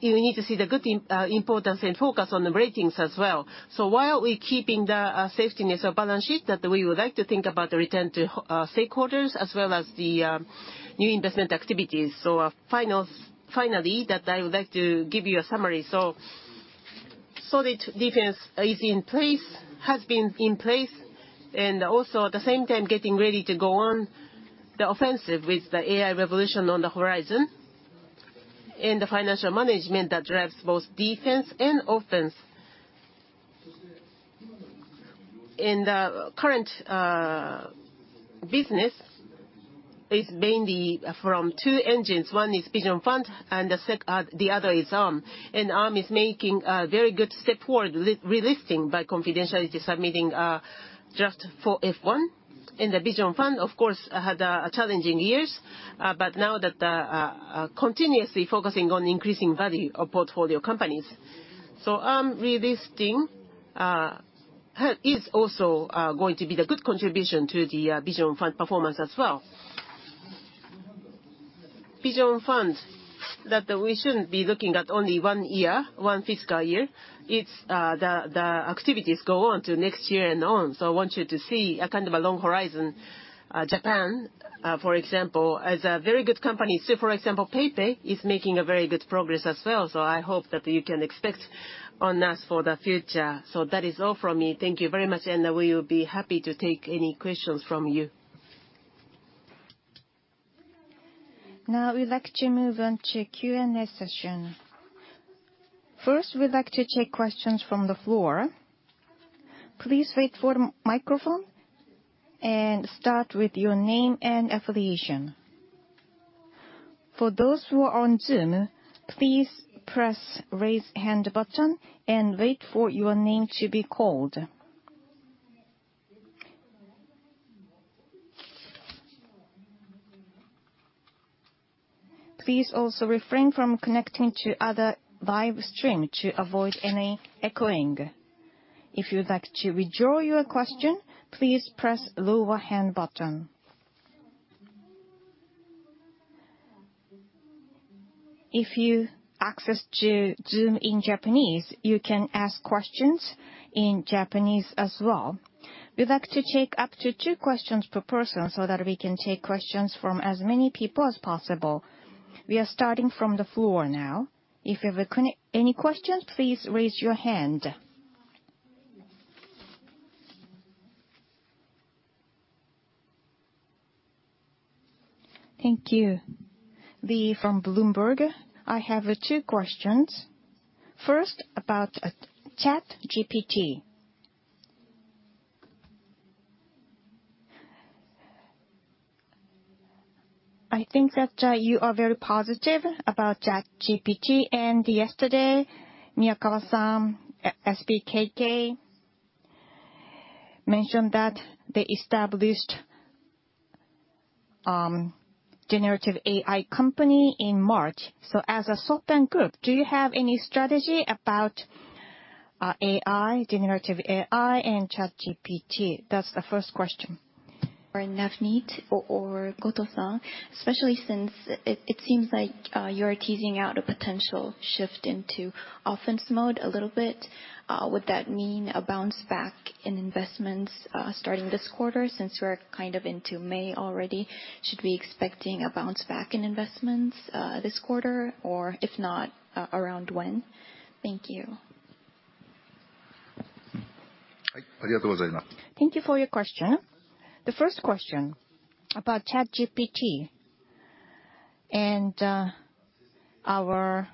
You need to see the good importance and focus on the ratings as well. While we're keeping the safety net of balance sheet, that we would like to think about the return to stakeholders as well as the new investment activities. Finally, that I would like to give you a summary. Solid defense is in place, has been in place, and also at the same time getting ready to go on the offensive with the AI revolution on the horizon, and the financial management that drives both defense and offense. In the current business is mainly from two engines. One is Vision Fund, and the other is Arm. Arm is making a very good step toward relisting by confidentiality submitting draft for F-1. The Vision Fund, of course, had a challenging years, but now that continuously focusing on increasing value of portfolio companies. Arm relisting is also going to be the good contribution to the Vision Fund performance as well. Vision Fund. We shouldn't be looking at only one year, one fiscal year. It's the activities go on to next year and on. I want you to see a kind of a long horizon. Japan, for example, has a very good company. For example, PayPay is making a very good progress as well. I hope that you can expect on us for the future. That is all from me. Thank you very much, and we will be happy to take any questions from you. We'd like to move on to Q&A session. First, we'd like to take questions from the floor. Please wait for microphone and start with your name and affiliation. For those who are on Zoom, please press Raise Hand button and wait for your name to be called. Please also refrain from connecting to other live stream to avoid any echoing. If you'd like to withdraw your question, please press Lower Hand button. If you access to Zoom in Japanese, you can ask questions in Japanese as well. We'd like to take up to two questions per person so that we can take questions from as many people as possible. We are starting from the floor now. If you have any questions, please raise your hand. Thank you. Lee from Bloomberg. I have two questions. First, about ChatGPT. I think that you are very positive about ChatGPT, and yesterday, Miyakawa-san, SBKK, mentioned that they established-. generative AI company in March. As a SoftBank Group, do you have any strategy about AI, generative AI and ChatGPT? That's the first question. For Navneet or Goto-san, especially since it seems like you're teasing out a potential shift into offense mode a little bit, would that mean a bounce back in investments starting this quarter since we're kind of into May already? Should we be expecting a bounce back in investments this quarter? Or if not, around when? Thank you. Thank you for your question. The first question about ChatGPT and our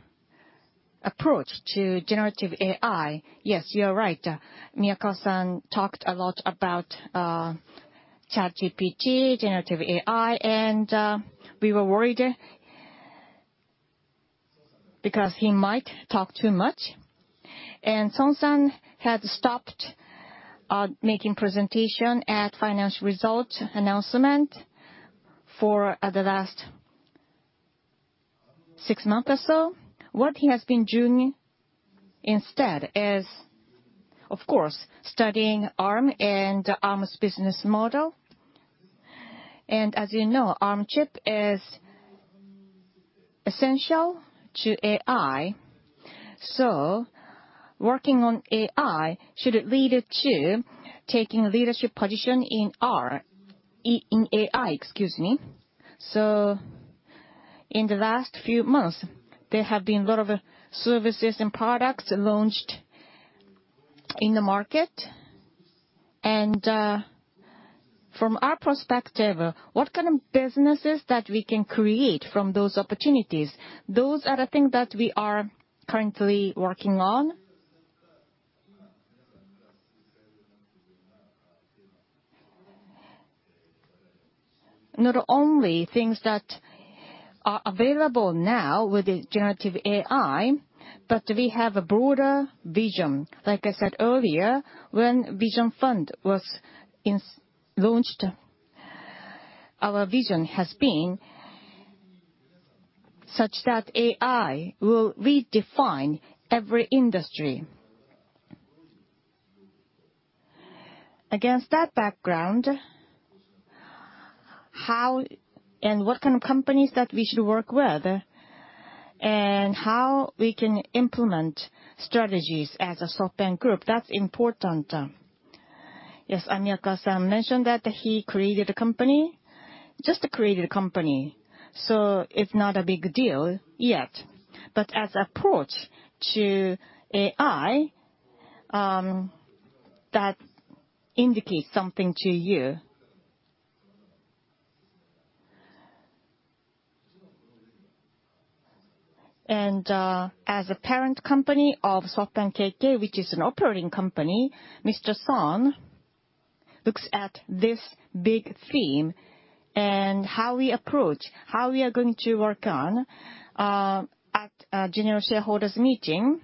approach to generative AI. Yes, you are right. Miyakawa-san talked a lot about ChatGPT, generative AI, and we were worried because he might talk too much. Son-san had stopped making presentation at financial result announcement for the last 6 month or so. What he has been doing instead is, of course, studying Arm and Arm's business model. As you know, Arm chip is essential to AI, so working on AI should lead to taking leadership position in AI, excuse me. In the last few months, there have been a lot of services and products launched in the market. From our perspective, what kind of businesses that we can create from those opportunities, those are the things that we are currently working on. Not only things that are available now with the Generative AI, but we have a broader vision. Like I said earlier, when Vision Fund was launched, our vision has been such that AI will redefine every industry. Against that background, how and what kind of companies that we should work with, and how we can implement strategies as a SoftBank Group, that's important. Yes, Miyakawa-san mentioned that he created a company, just created a company, so it's not a big deal yet. But as approach to AI, that indicates something to you. As a parent company of SoftBank KK, which is an operating company, Mr. Song looks at this big theme and how we approach, how we are going to work on, at a general shareholders meeting.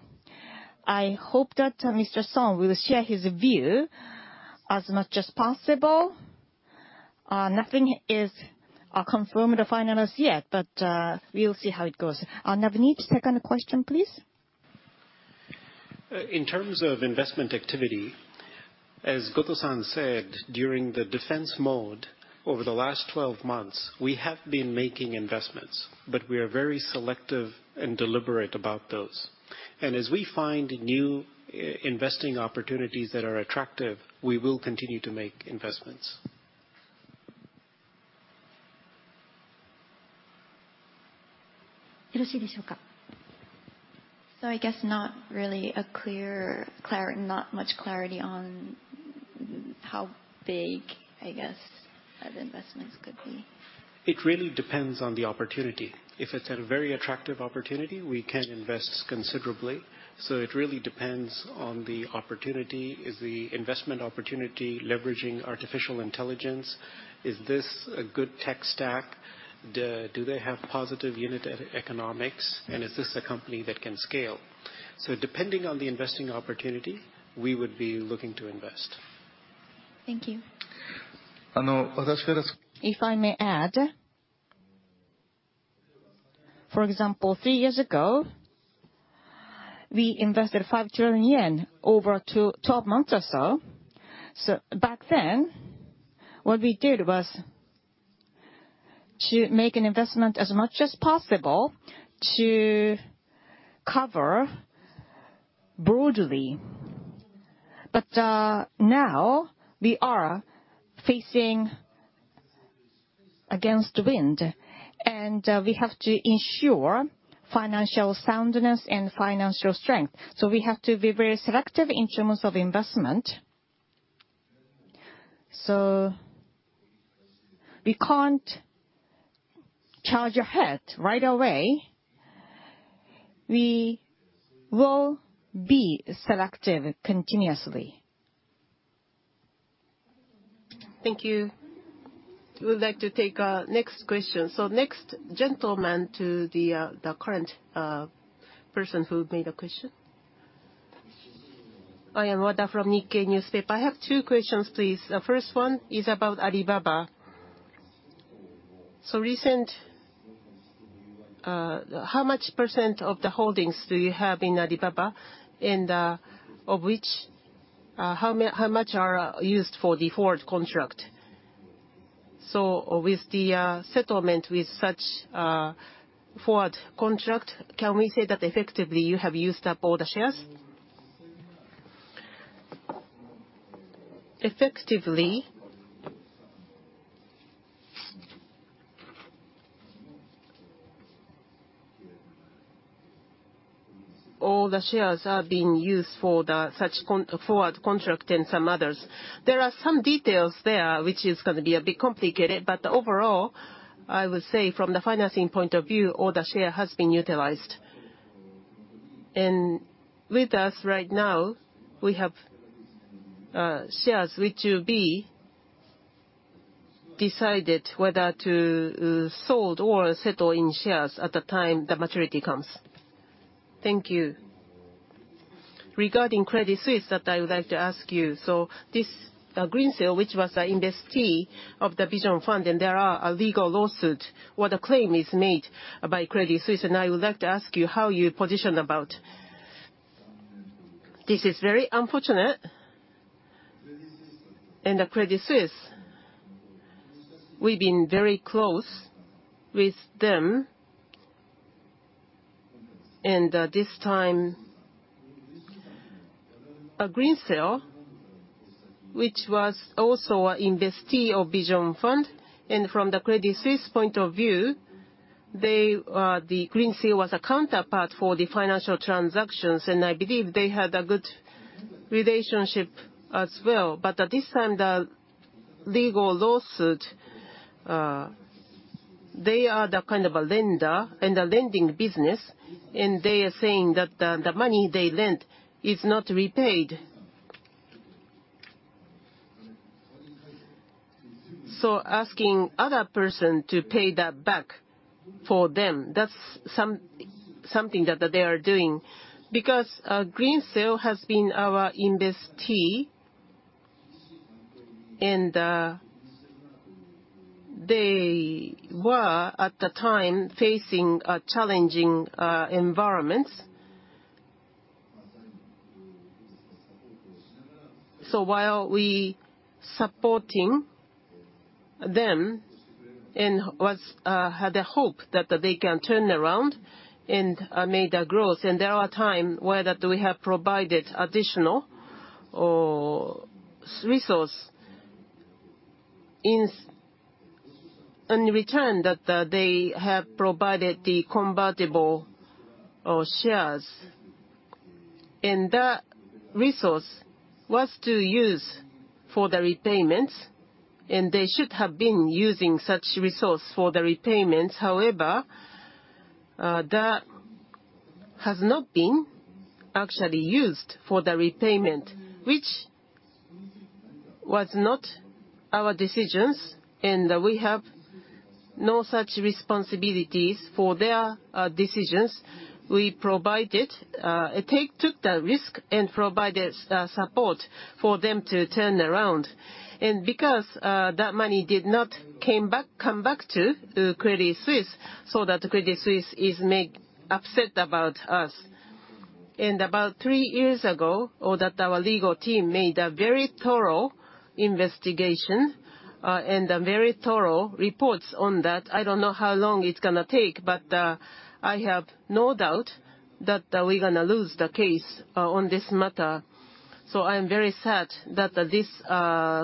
I hope that Mr. Song will share his view as much as possible. Nothing is confirmed or finalized yet, but we'll see how it goes. Navneet, second question, please. In terms of investment activity, as Goto-san said, during the defense mode over the last 12 months, we have been making investments, but we are very selective and deliberate about those. As we find new investing opportunities that are attractive, we will continue to make investments. I guess not really not much clarity on how big, I guess, the investments could be. It really depends on the opportunity. If it's a very attractive opportunity, we can invest considerably. It really depends on the opportunity. Is the investment opportunity leveraging artificial intelligence? Is this a good tech stack? Do they have positive unit economics? Is this a company that can scale? Depending on the investing opportunity, we would be looking to invest. Thank you. If I may add, for example, three years ago, we invested 5 trillion yen over to 12 months or so. Back then, what we did was to make an investment as much as possible to cover broadly. Now we are facing against wind, and we have to ensure financial soundness and financial strength. We have to be very selective in terms of investment. We can't charge ahead right away. We will be selective continuously. Thank you. We would like to take next question. Next gentleman to the current person who made a question. I am Wada from Nikkei newspaper. I have two questions, please. The first one is about Alibaba. Recent, how much % of the holdings do you have in Alibaba? Of which, how much are used for the forward contract? With the settlement with such forward contract, can we say that effectively you have used up all the shares? Effectively, all the shares are being used for the such forward contract and some others. There are some details there which is gonna be a bit complicated, but overall, I would say from the financing point of view, all the share has been utilized. With us right now, we have shares which will be decided whether to sold or settle in shares at the time the maturity comes. Thank you. Regarding Credit Suisse that I would like to ask you. This Greensill, which was a investee of the Vision Fund, there are a legal lawsuit where the claim is made by Credit Suisse, I would like to ask you how you position about. This is very unfortunate. Credit Suisse, we've been very close with them. This time, Greensill, which was also a investee of Vision Fund, from the Credit Suisse point of view, they the Greensill was a counterpart for the financial transactions, I believe they had a good relationship as well. At this time, the legal lawsuit, they are the kind of a lender in the lending business, they are saying that the money they lent is not repaid. Asking other person to pay that back for them, that's something that they are doing. Because Greensill has been our investee, and they were at the time facing a challenging environments. While we supporting them and was, had a hope that they can turn around and made a growth, and there are time where that we have provided additional resource in return that they have provided the convertible shares. That resource was to use for the repayments, and they should have been using such resource for the repayments. However, that has not been actually used for the repayment, which was not our decisions, and we have no such responsibilities for their decisions. We provided, took the risk and provided support for them to turn around. Because that money did not come back to Credit Suisse, so that Credit Suisse is make upset about us. About three years ago, or that our legal team made a very thorough investigation and a very thorough reports on that. I don't know how long it's gonna take, but I have no doubt that we're gonna lose the case on this matter. I am very sad that this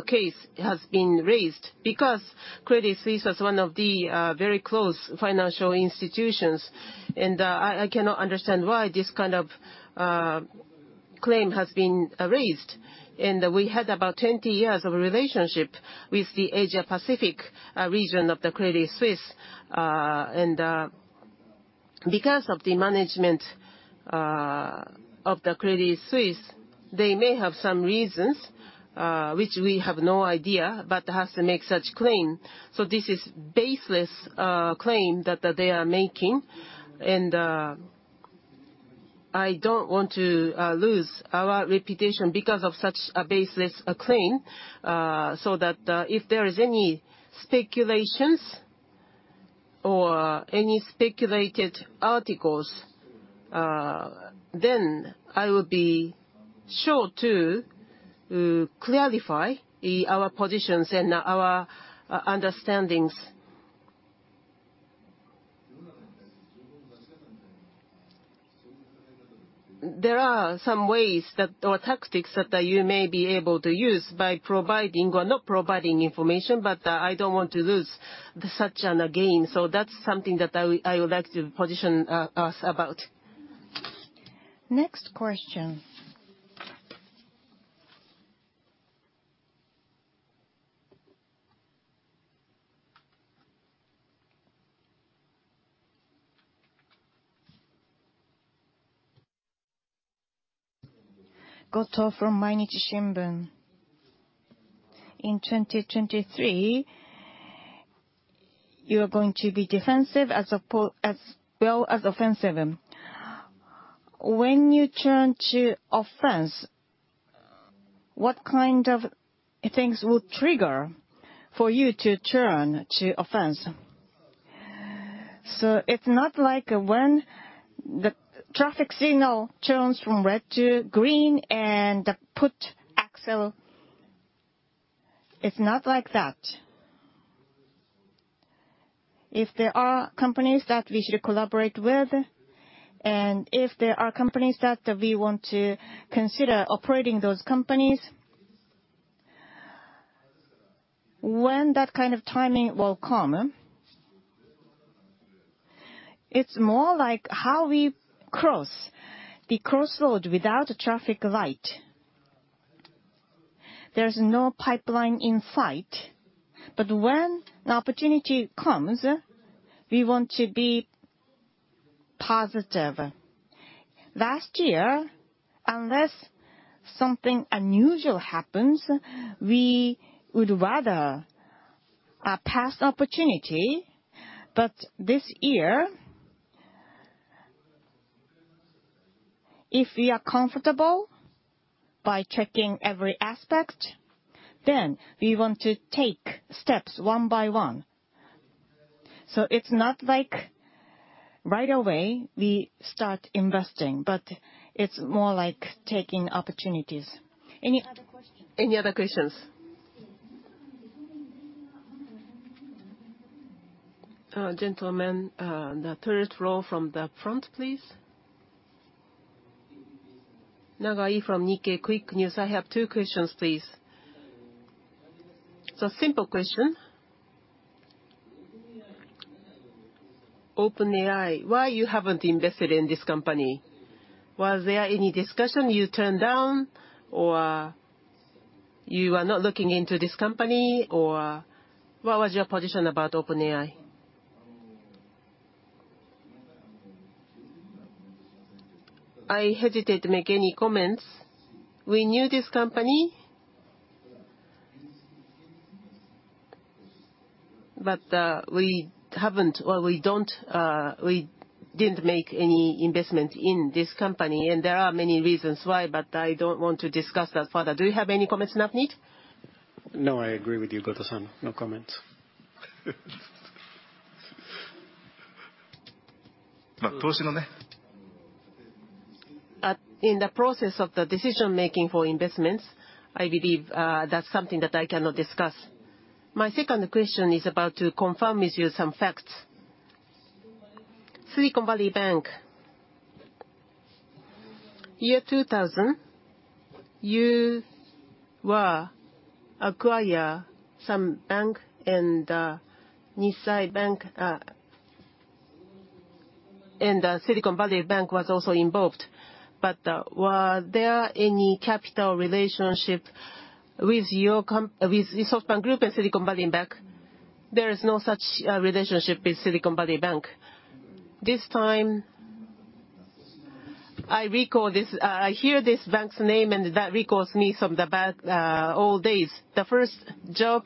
case has been raised because Credit Suisse is one of the very close financial institutions. I cannot understand why this kind of claim has been raised. We had about 20 years of relationship with the Asia Pacific region of the Credit Suisse. Because of the management of the Credit Suisse, they may have some reasons, which we have no idea, but has to make such claim. This is baseless claim that they are making. I don't want to lose our reputation because of such a baseless claim. That, if there is any speculations or any speculated articles, then I will be sure to clarify our positions and our understandings. There are some ways that, or tactics that, you may be able to use by providing or not providing information, but, I don't want to lose such an gain. That's something that I would like to position us about. Next question. Goto from Mainichi Shimbun. In 2023. You're going to be defensive as well as offensive. When you turn to offense, what kind of things would trigger for you to turn to offense? It's not like when the traffic signal turns from red to green and put. It's not like that. If there are companies that we should collaborate with, and if there are companies that we want to consider operating those companies, when that kind of timing will come, it's more like how we cross the crossroad without a traffic light. There's no pipeline in sight, when the opportunity comes, we want to be positive. Last year, unless something unusual happens, we would rather pass the opportunity. This year, if we are comfortable by checking every aspect, then we want to take steps one by one. It's not like right away we start investing, but it's more like taking opportunities. Any other questions? Gentleman, the third row from the front, please. Nagai from Nikkei Quick News. I have two questions, please. Simple question. OpenAI, why you haven't invested in this company? Was there any discussion you turned down, or you are not looking into this company, or what was your position about OpenAI? I hesitate to make any comments. We knew this company, but we haven't or we don't, we didn't make any investment in this company. There are many reasons why, but I don't want to discuss that further. Do you have any comments, Navneet? No, I agree with you, Goto-san. No comment. In the process of the decision-making for investments, I believe, that's something that I cannot discuss. My second question is about to confirm with you some facts. Silicon Valley Bank. Year 2000, you were acquire some bank and Shinsei Bank and Silicon Valley Bank was also involved. Were there any capital relationship with your with SoftBank Group and Silicon Valley Bank? There is no such relationship with Silicon Valley Bank. This time, I recall this. I hear this bank's name and that recalls me some of the bad old days. The first job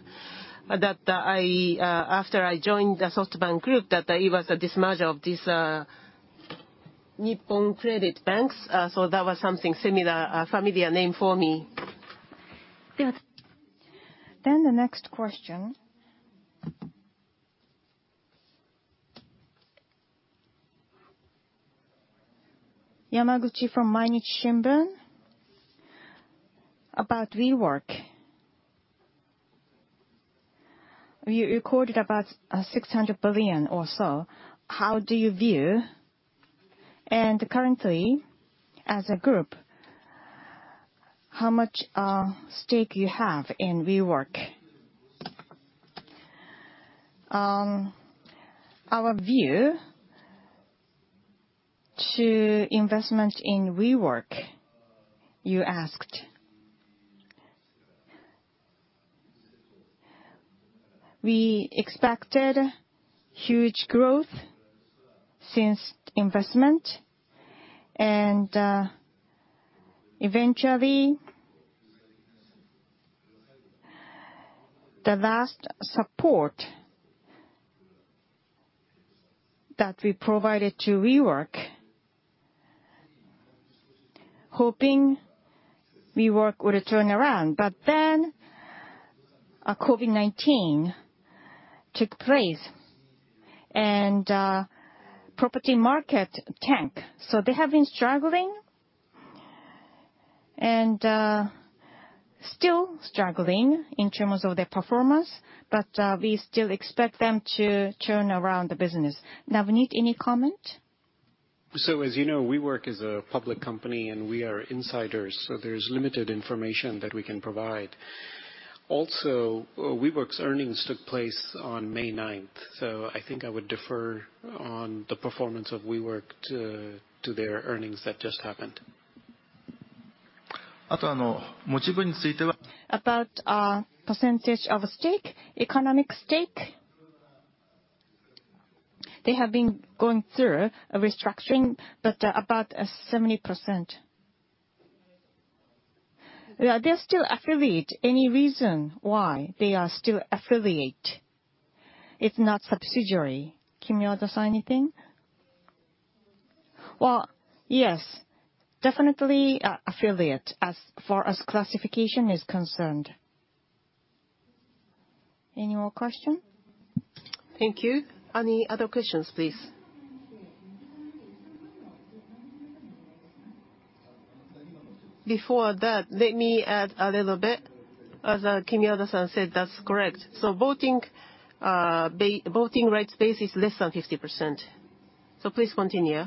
that I after I joined the SoftBank Group, that it was a demerger of this Nippon Credit Bank, so that was something similar, a familiar name for me. The next question. Yamaguchi from Mainichi Shimbun. About WeWork. You recorded about $600 billion or so. How do you view? Currently, as a group, how much stake you have in WeWork? Our view to investment in WeWork, you asked. We expected huge growth since investment. Eventually, the last support that we provided to WeWork, hoping WeWork would turn around. COVID-19 took place, and property market tanked. They have been struggling and still struggling in terms of their performance, but we still expect them to turn around the business. Navneet, any comment? As you know, WeWork is a public company, and we are insiders, so there's limited information that we can provide. Also, WeWork's earnings took place on May ninth. I think I would defer on the performance of WeWork to their earnings that just happened. About percentage of stake, economic stake, they have been going through a restructuring, but about 70%. Yeah, they're still affiliate. Any reason why they are still affiliate, if not subsidiary? Kimio-dosa, anything? Well, yes, definitely affiliate as far as classification is concerned. Any more question? Thank you. Any other questions, please? Before that, let me add a little bit. As Kimio-dosa said, that's correct. Voting rights base is less than 50%. Please continue.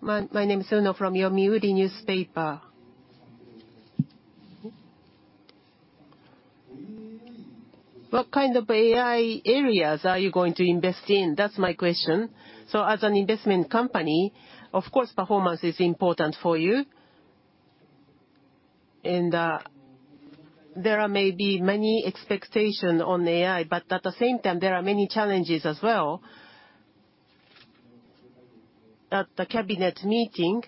My name is Uno from The Yomiuri Shimbun. What kind of AI areas are you going to invest in? That's my question. As an investment company, of course, performance is important for you. There are may be many expectation on AI, but at the same time, there are many challenges as well. At the cabinet meeting,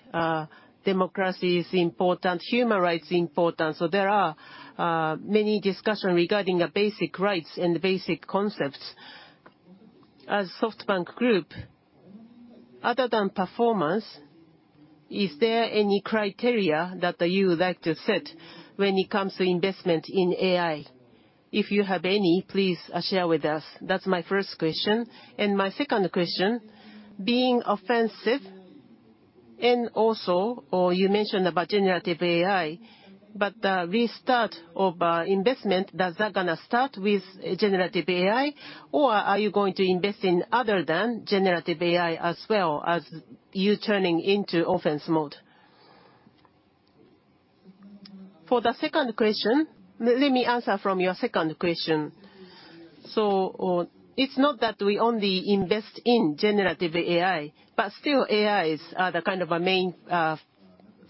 democracy is important, human rights is important, there are many discussion regarding the basic rights and the basic concepts. As SoftBank Group, other than performance, is there any criteria that you would like to set when it comes to investment in AI? If you have any, please share with us. That's my first question. My second question, being offensive and also, or you mentioned about generative AI, but the restart of investment, does that gonna start with generative AI? Are you going to invest in other than generative AI as well as you turning into offense mode? Let me answer from your second question. It's not that we only invest in generative AI, but still AIs are the kind of a main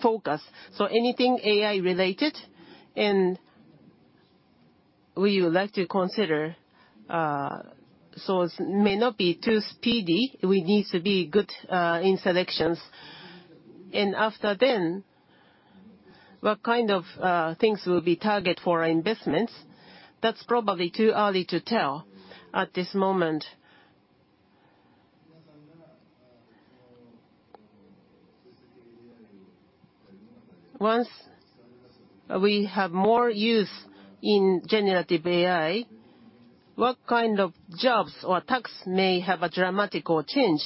focus. Anything AI related, and we would like to consider, so it may not be too speedy. We need to be good in selections. After then, what kind of things will be target for our investments, that's probably too early to tell at this moment. Once we have more use in generative AI, what kind of jobs or tasks may have a dramatical change?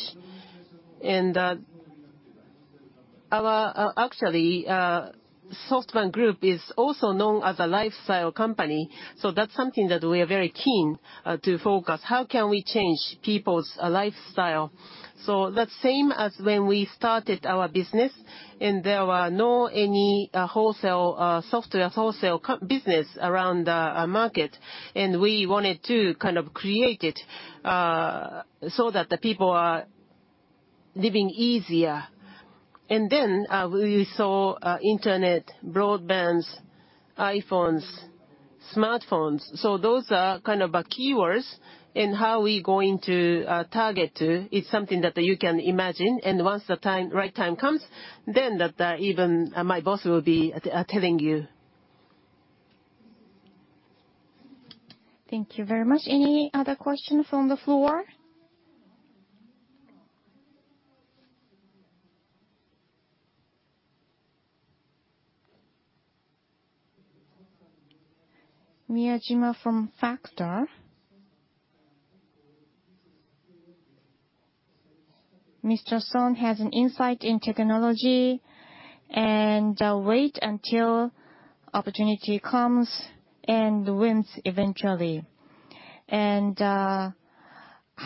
Actually, SoftBank Group is also known as a lifestyle company, that's something that we are very keen to focus. How can we change people's lifestyle? That's same as when we started our business, there were no any wholesale software wholesale business around the market, we wanted to kind of create it so that the people are living easier. Then we saw internet, broadbands, iPhones, smartphones. Those are kind of the keywords, how we going to target to is something that you can imagine. Once the time, right time comes, then that even my boss will be telling you. Thank you very much. Any other questions from the floor? Miyajima fro FACTA. Mr. Son has an insight in technology and wait until opportunity comes and wins eventually.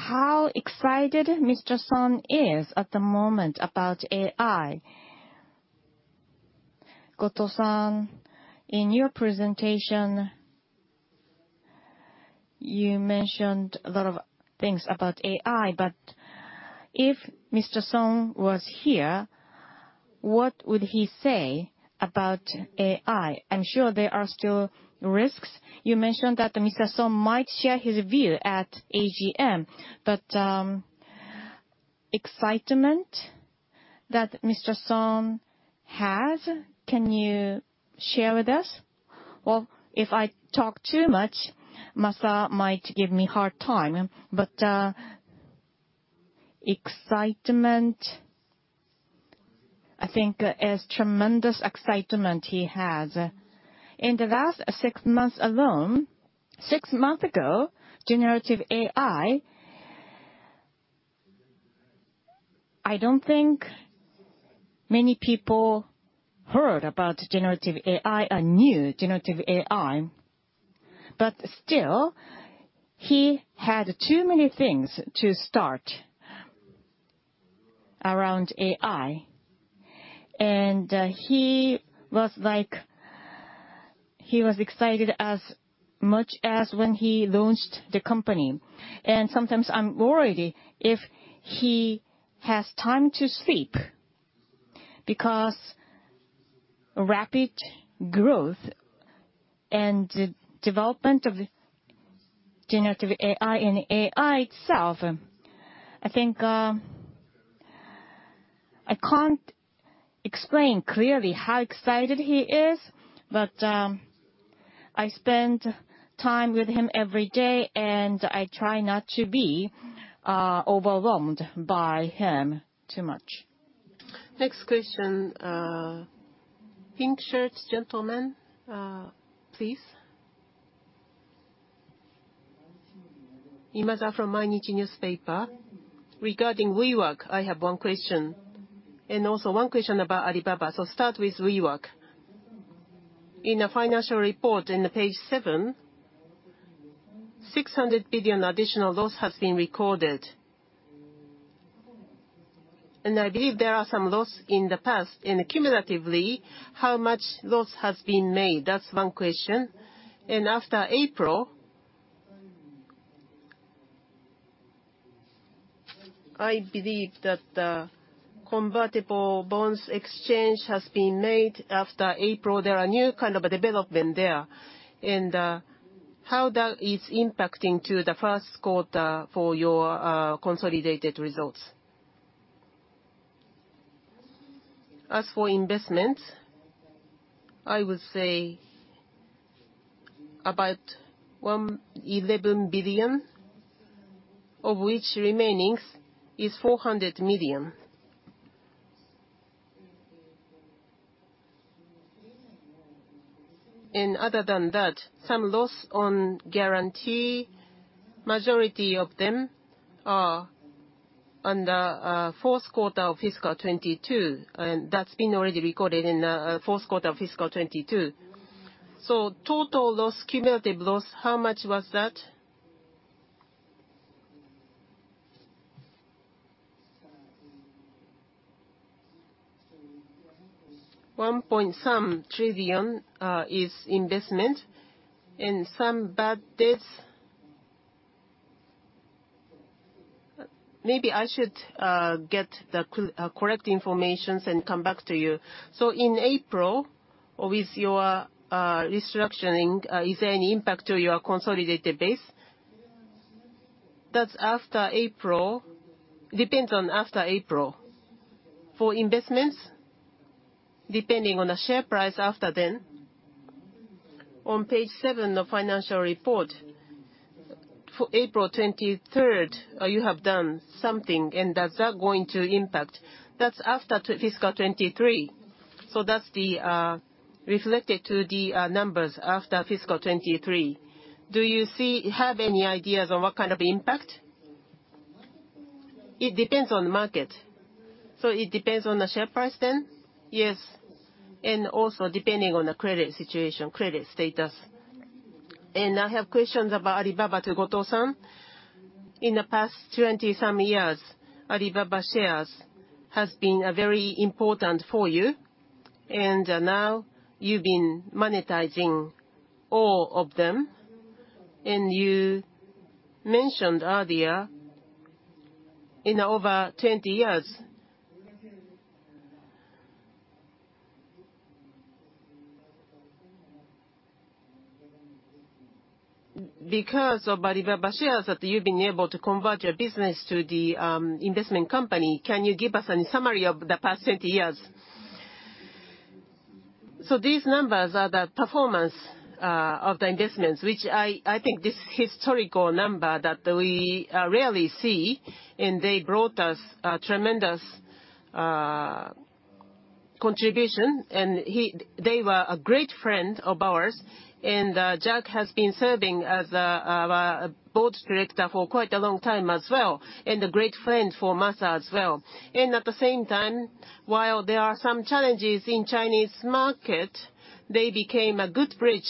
How excited Mr. Son is at the moment about AI? Goto-san, in your presentation, you mentioned a lot of things about AI, but if Mr. Son was here, what would he say about AI? I'm sure there are still risks. You mentioned that Mr. Son might share his view at AGM, but excitement that Mr. Son has, can you share with us? Well, if I talk too much, Masa might give me hard time. Excitement, I think is tremendous excitement he has. In the last six months alone, six months ago, Generative AI, I don't think many people heard about Generative AI or knew Generative AI. Still, he had too many things to start around AI. He was like, he was excited as much as when he launched the company. Sometimes I'm worried if he has time to sleep, because a rapid growth and development of Generative AI and AI itself. I think I can't explain clearly how excited he is. I spend time with him every day, and I try not to be overwhelmed by him too much. Next question. Pink shirt gentleman, please. from Mainichi Shimbun. Regarding WeWork, I have one question, also one question about Alibaba. Start with WeWork. In the financial report in the page seven, 600 billion additional loss has been recorded. I believe there are some loss in the past. Cumulatively, how much loss has been made? That's one question. After April, I believe that the convertible bonds exchange has been made. After April, there are new kind of development there. How that is impacting to the first quarter for your consolidated results? As for investments, I would say about 11 billion, of which remaining is 400 million. Other than that, some loss on guarantee, majority of them are underQ4 of fiscal 2022, and that's been already recorded in fourth quarter of fiscal 2022. Total loss, cumulative loss, how much was that? 1 point some trillion is investment and some bad debts. Maybe I should get the correct informations and come back to you. In April, with your restructuring, is there any impact to your consolidated base? That's after April. Depends on after April. For investments, depending on the share price after then. On page 7 of financial report, for April 23rd, you have done something, and is that going to impact? That's after fiscal 2023. That's the reflected to the numbers after fiscal 2023. Do you have any ideas on what kind of impact? It depends on market. It depends on the share price then? Yes. Also depending on the credit situation, credit status. I have questions about Alibaba to Goto-san. In the past 20 some years, Alibaba shares has been very important for you. Now you've been monetizing all of them. You mentioned earlier, in over 20 years. Because of Alibaba shares that you've been able to convert your business to the investment company, can you give us a summary of the past 20 years? These numbers are the performance of the investments, which I think this historical number that we rarely see, and they brought us a tremendous contribution. They were a great friend of ours. Jack has been serving as our board director for quite a long time as well, and a great friend for Masa as well. At the same time, while there are some challenges in Chinese market, they became a good bridge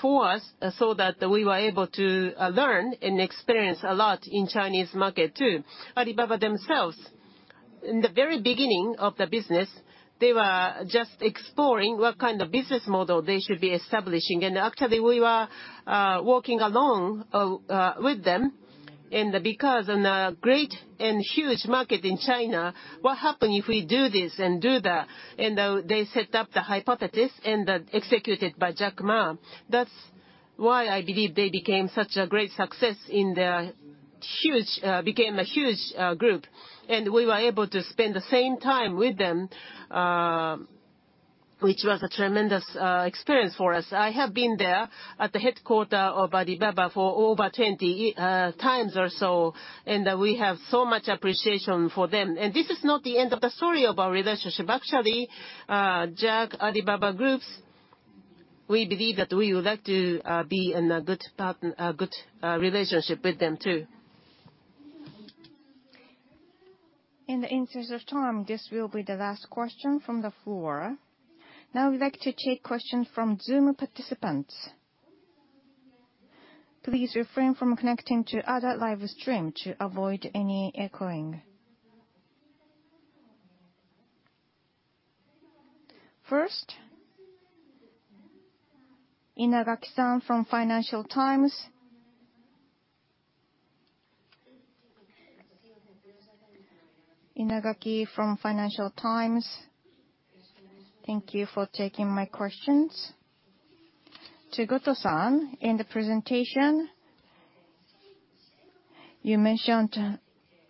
for us so that we were able to learn and experience a lot in Chinese market too. Alibaba Group themselves, in the very beginning of the business, they were just exploring what kind of business model they should be establishing. Actually, we were walking along with them. Because in a great and huge market in China, what happen if we do this and do that? They set up the hypothesis and then executed by Jack Ma. That's why I believe they became such a great success, became a huge Alibaba Group. We were able to spend the same time with them, which was a tremendous experience for us. I have been there at the headquarter of Alibaba for over 20 times or so, and we have so much appreciation for them. This is not the end of the story of our relationship. Actually, Jack, Alibaba Group, we believe that we would like to be in a good relationship with them too. In the interest of time, this will be the last question from the floor. Now we'd like to take questions from Zoom participants. Please refrain from connecting to other live stream to avoid any echoing. First, Inagaki-san from Financial Times. Thank you for taking my questions. To Goto-san, in the presentation, you mentioned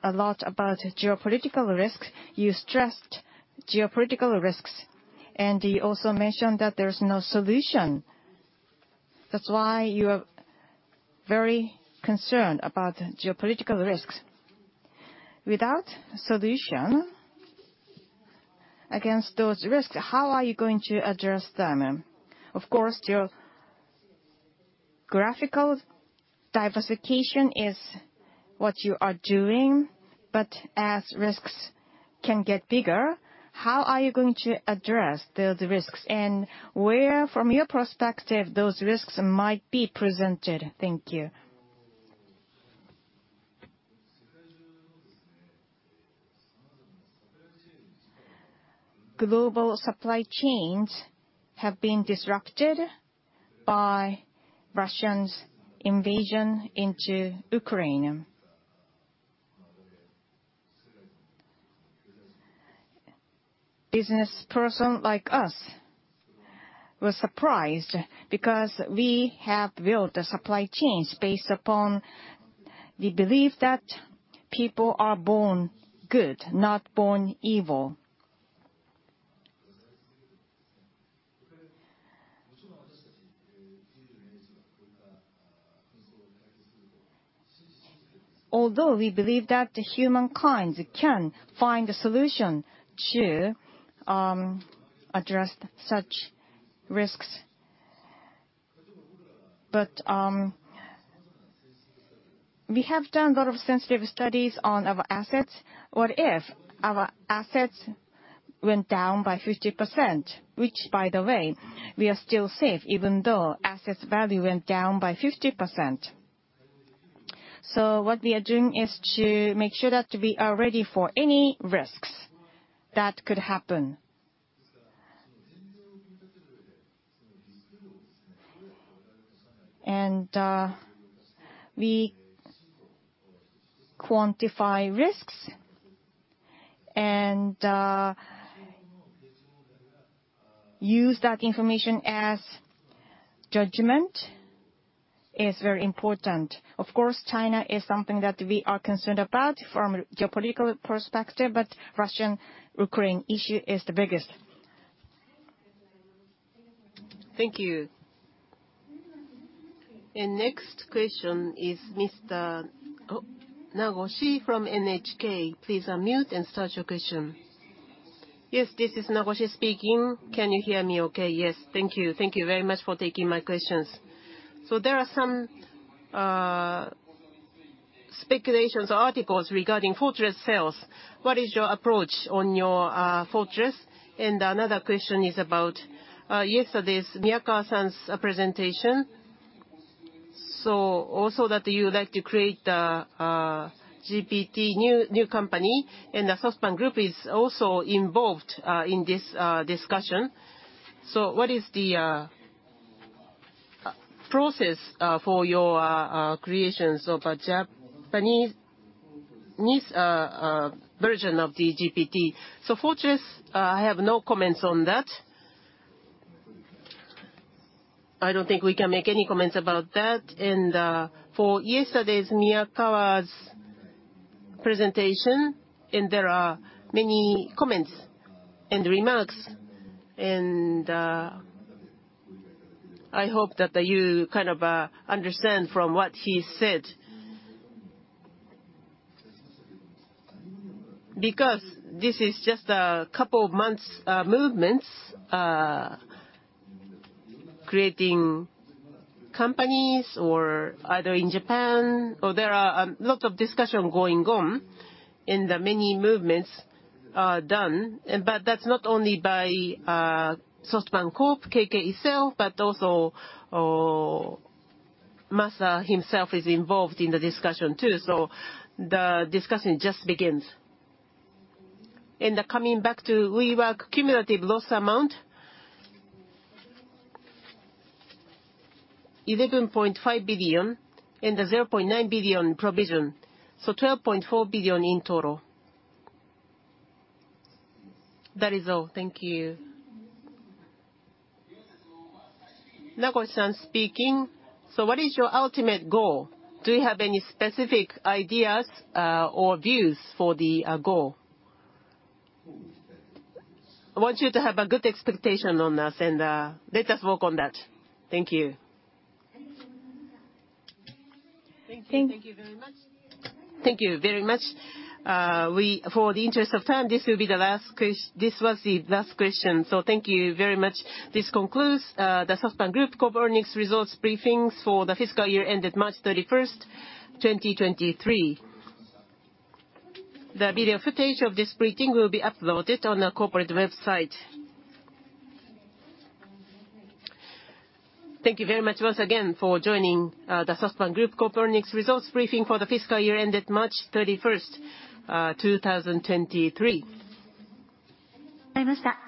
a lot about geopolitical risks. You stressed geopolitical risks, you also mentioned that there's no solution. That's why you are very concerned about geopolitical risks. Without solution against those risks, how are you going to address them? Of course, your graphical diversification is what you are doing, as risks can get bigger, how are you going to address the risks, and where, from your perspective, those risks might be presented? Thank you. Global supply chains have been disrupted by Russia's invasion into Ukraine. Business person like us were surprised because we have built the supply chains based upon the belief that people are born good, not born evil. Although we believe that the humankind can find a solution to address such risks. We have done a lot of sensitive studies on our assets. What if our assets went down by 50%? Which by the way, we are still safe even though assets value went down by 50%. What we are doing is to make sure that we are ready for any risks that could happen. We quantify risks and use that information as judgment, is very important. Of course, China is something that we are concerned about from a geopolitical perspective, but Russo-Ukrainian issue is the biggest. Thank you. Next question is Mr. Nagoshi from NHK. Please unmute and start your question. Yes, this is Nagoshi speaking. Can you hear me okay? Yes. Thank you. Thank you very much for taking my questions. There are some speculations or articles regarding Fortress sales. What is your approach on your Fortress? Another question is about yesterday's Miyakawa-san's presentation. Also that you would like to create a GPT new company, the SoftBank Group is also involved in this discussion. What is the process for your creations of a Japanese version of the GPT? Fortress, I have no comments on that. I don't think we can make any comments about that. For yesterday's Miyakawa's presentation, there are many comments and remarks. I hope that you kind of understand from what he said. This is just a couple of months, movements, creating companies or either in Japan or there are lot of discussion going on, many movements done. That's not only by SoftBank Corp. KK itself, but also Masa himself is involved in the discussion too. The discussion just begins. Coming back to WeWork cumulative loss amount. $11.5 billion and a $0.9 billion provision. $12.4 billion in total. That is all. Thank you. What is your ultimate goal? Do you have any specific ideas, or views for the goal? I want you to have a good expectation on us and, let us work on that. Thank you. Thank you. Thank you very much. Thank you very much. For the interest of time, this will be the last question. Thank you very much. This concludes the SoftBank Group Corp earnings results briefings for the fiscal year ended March 31, 2023. The video footage of this briefing will be uploaded on our corporate website. Thank you very much once again for joining the SoftBank Group Corp earnings results briefing for the fiscal year ended March 31, 2023.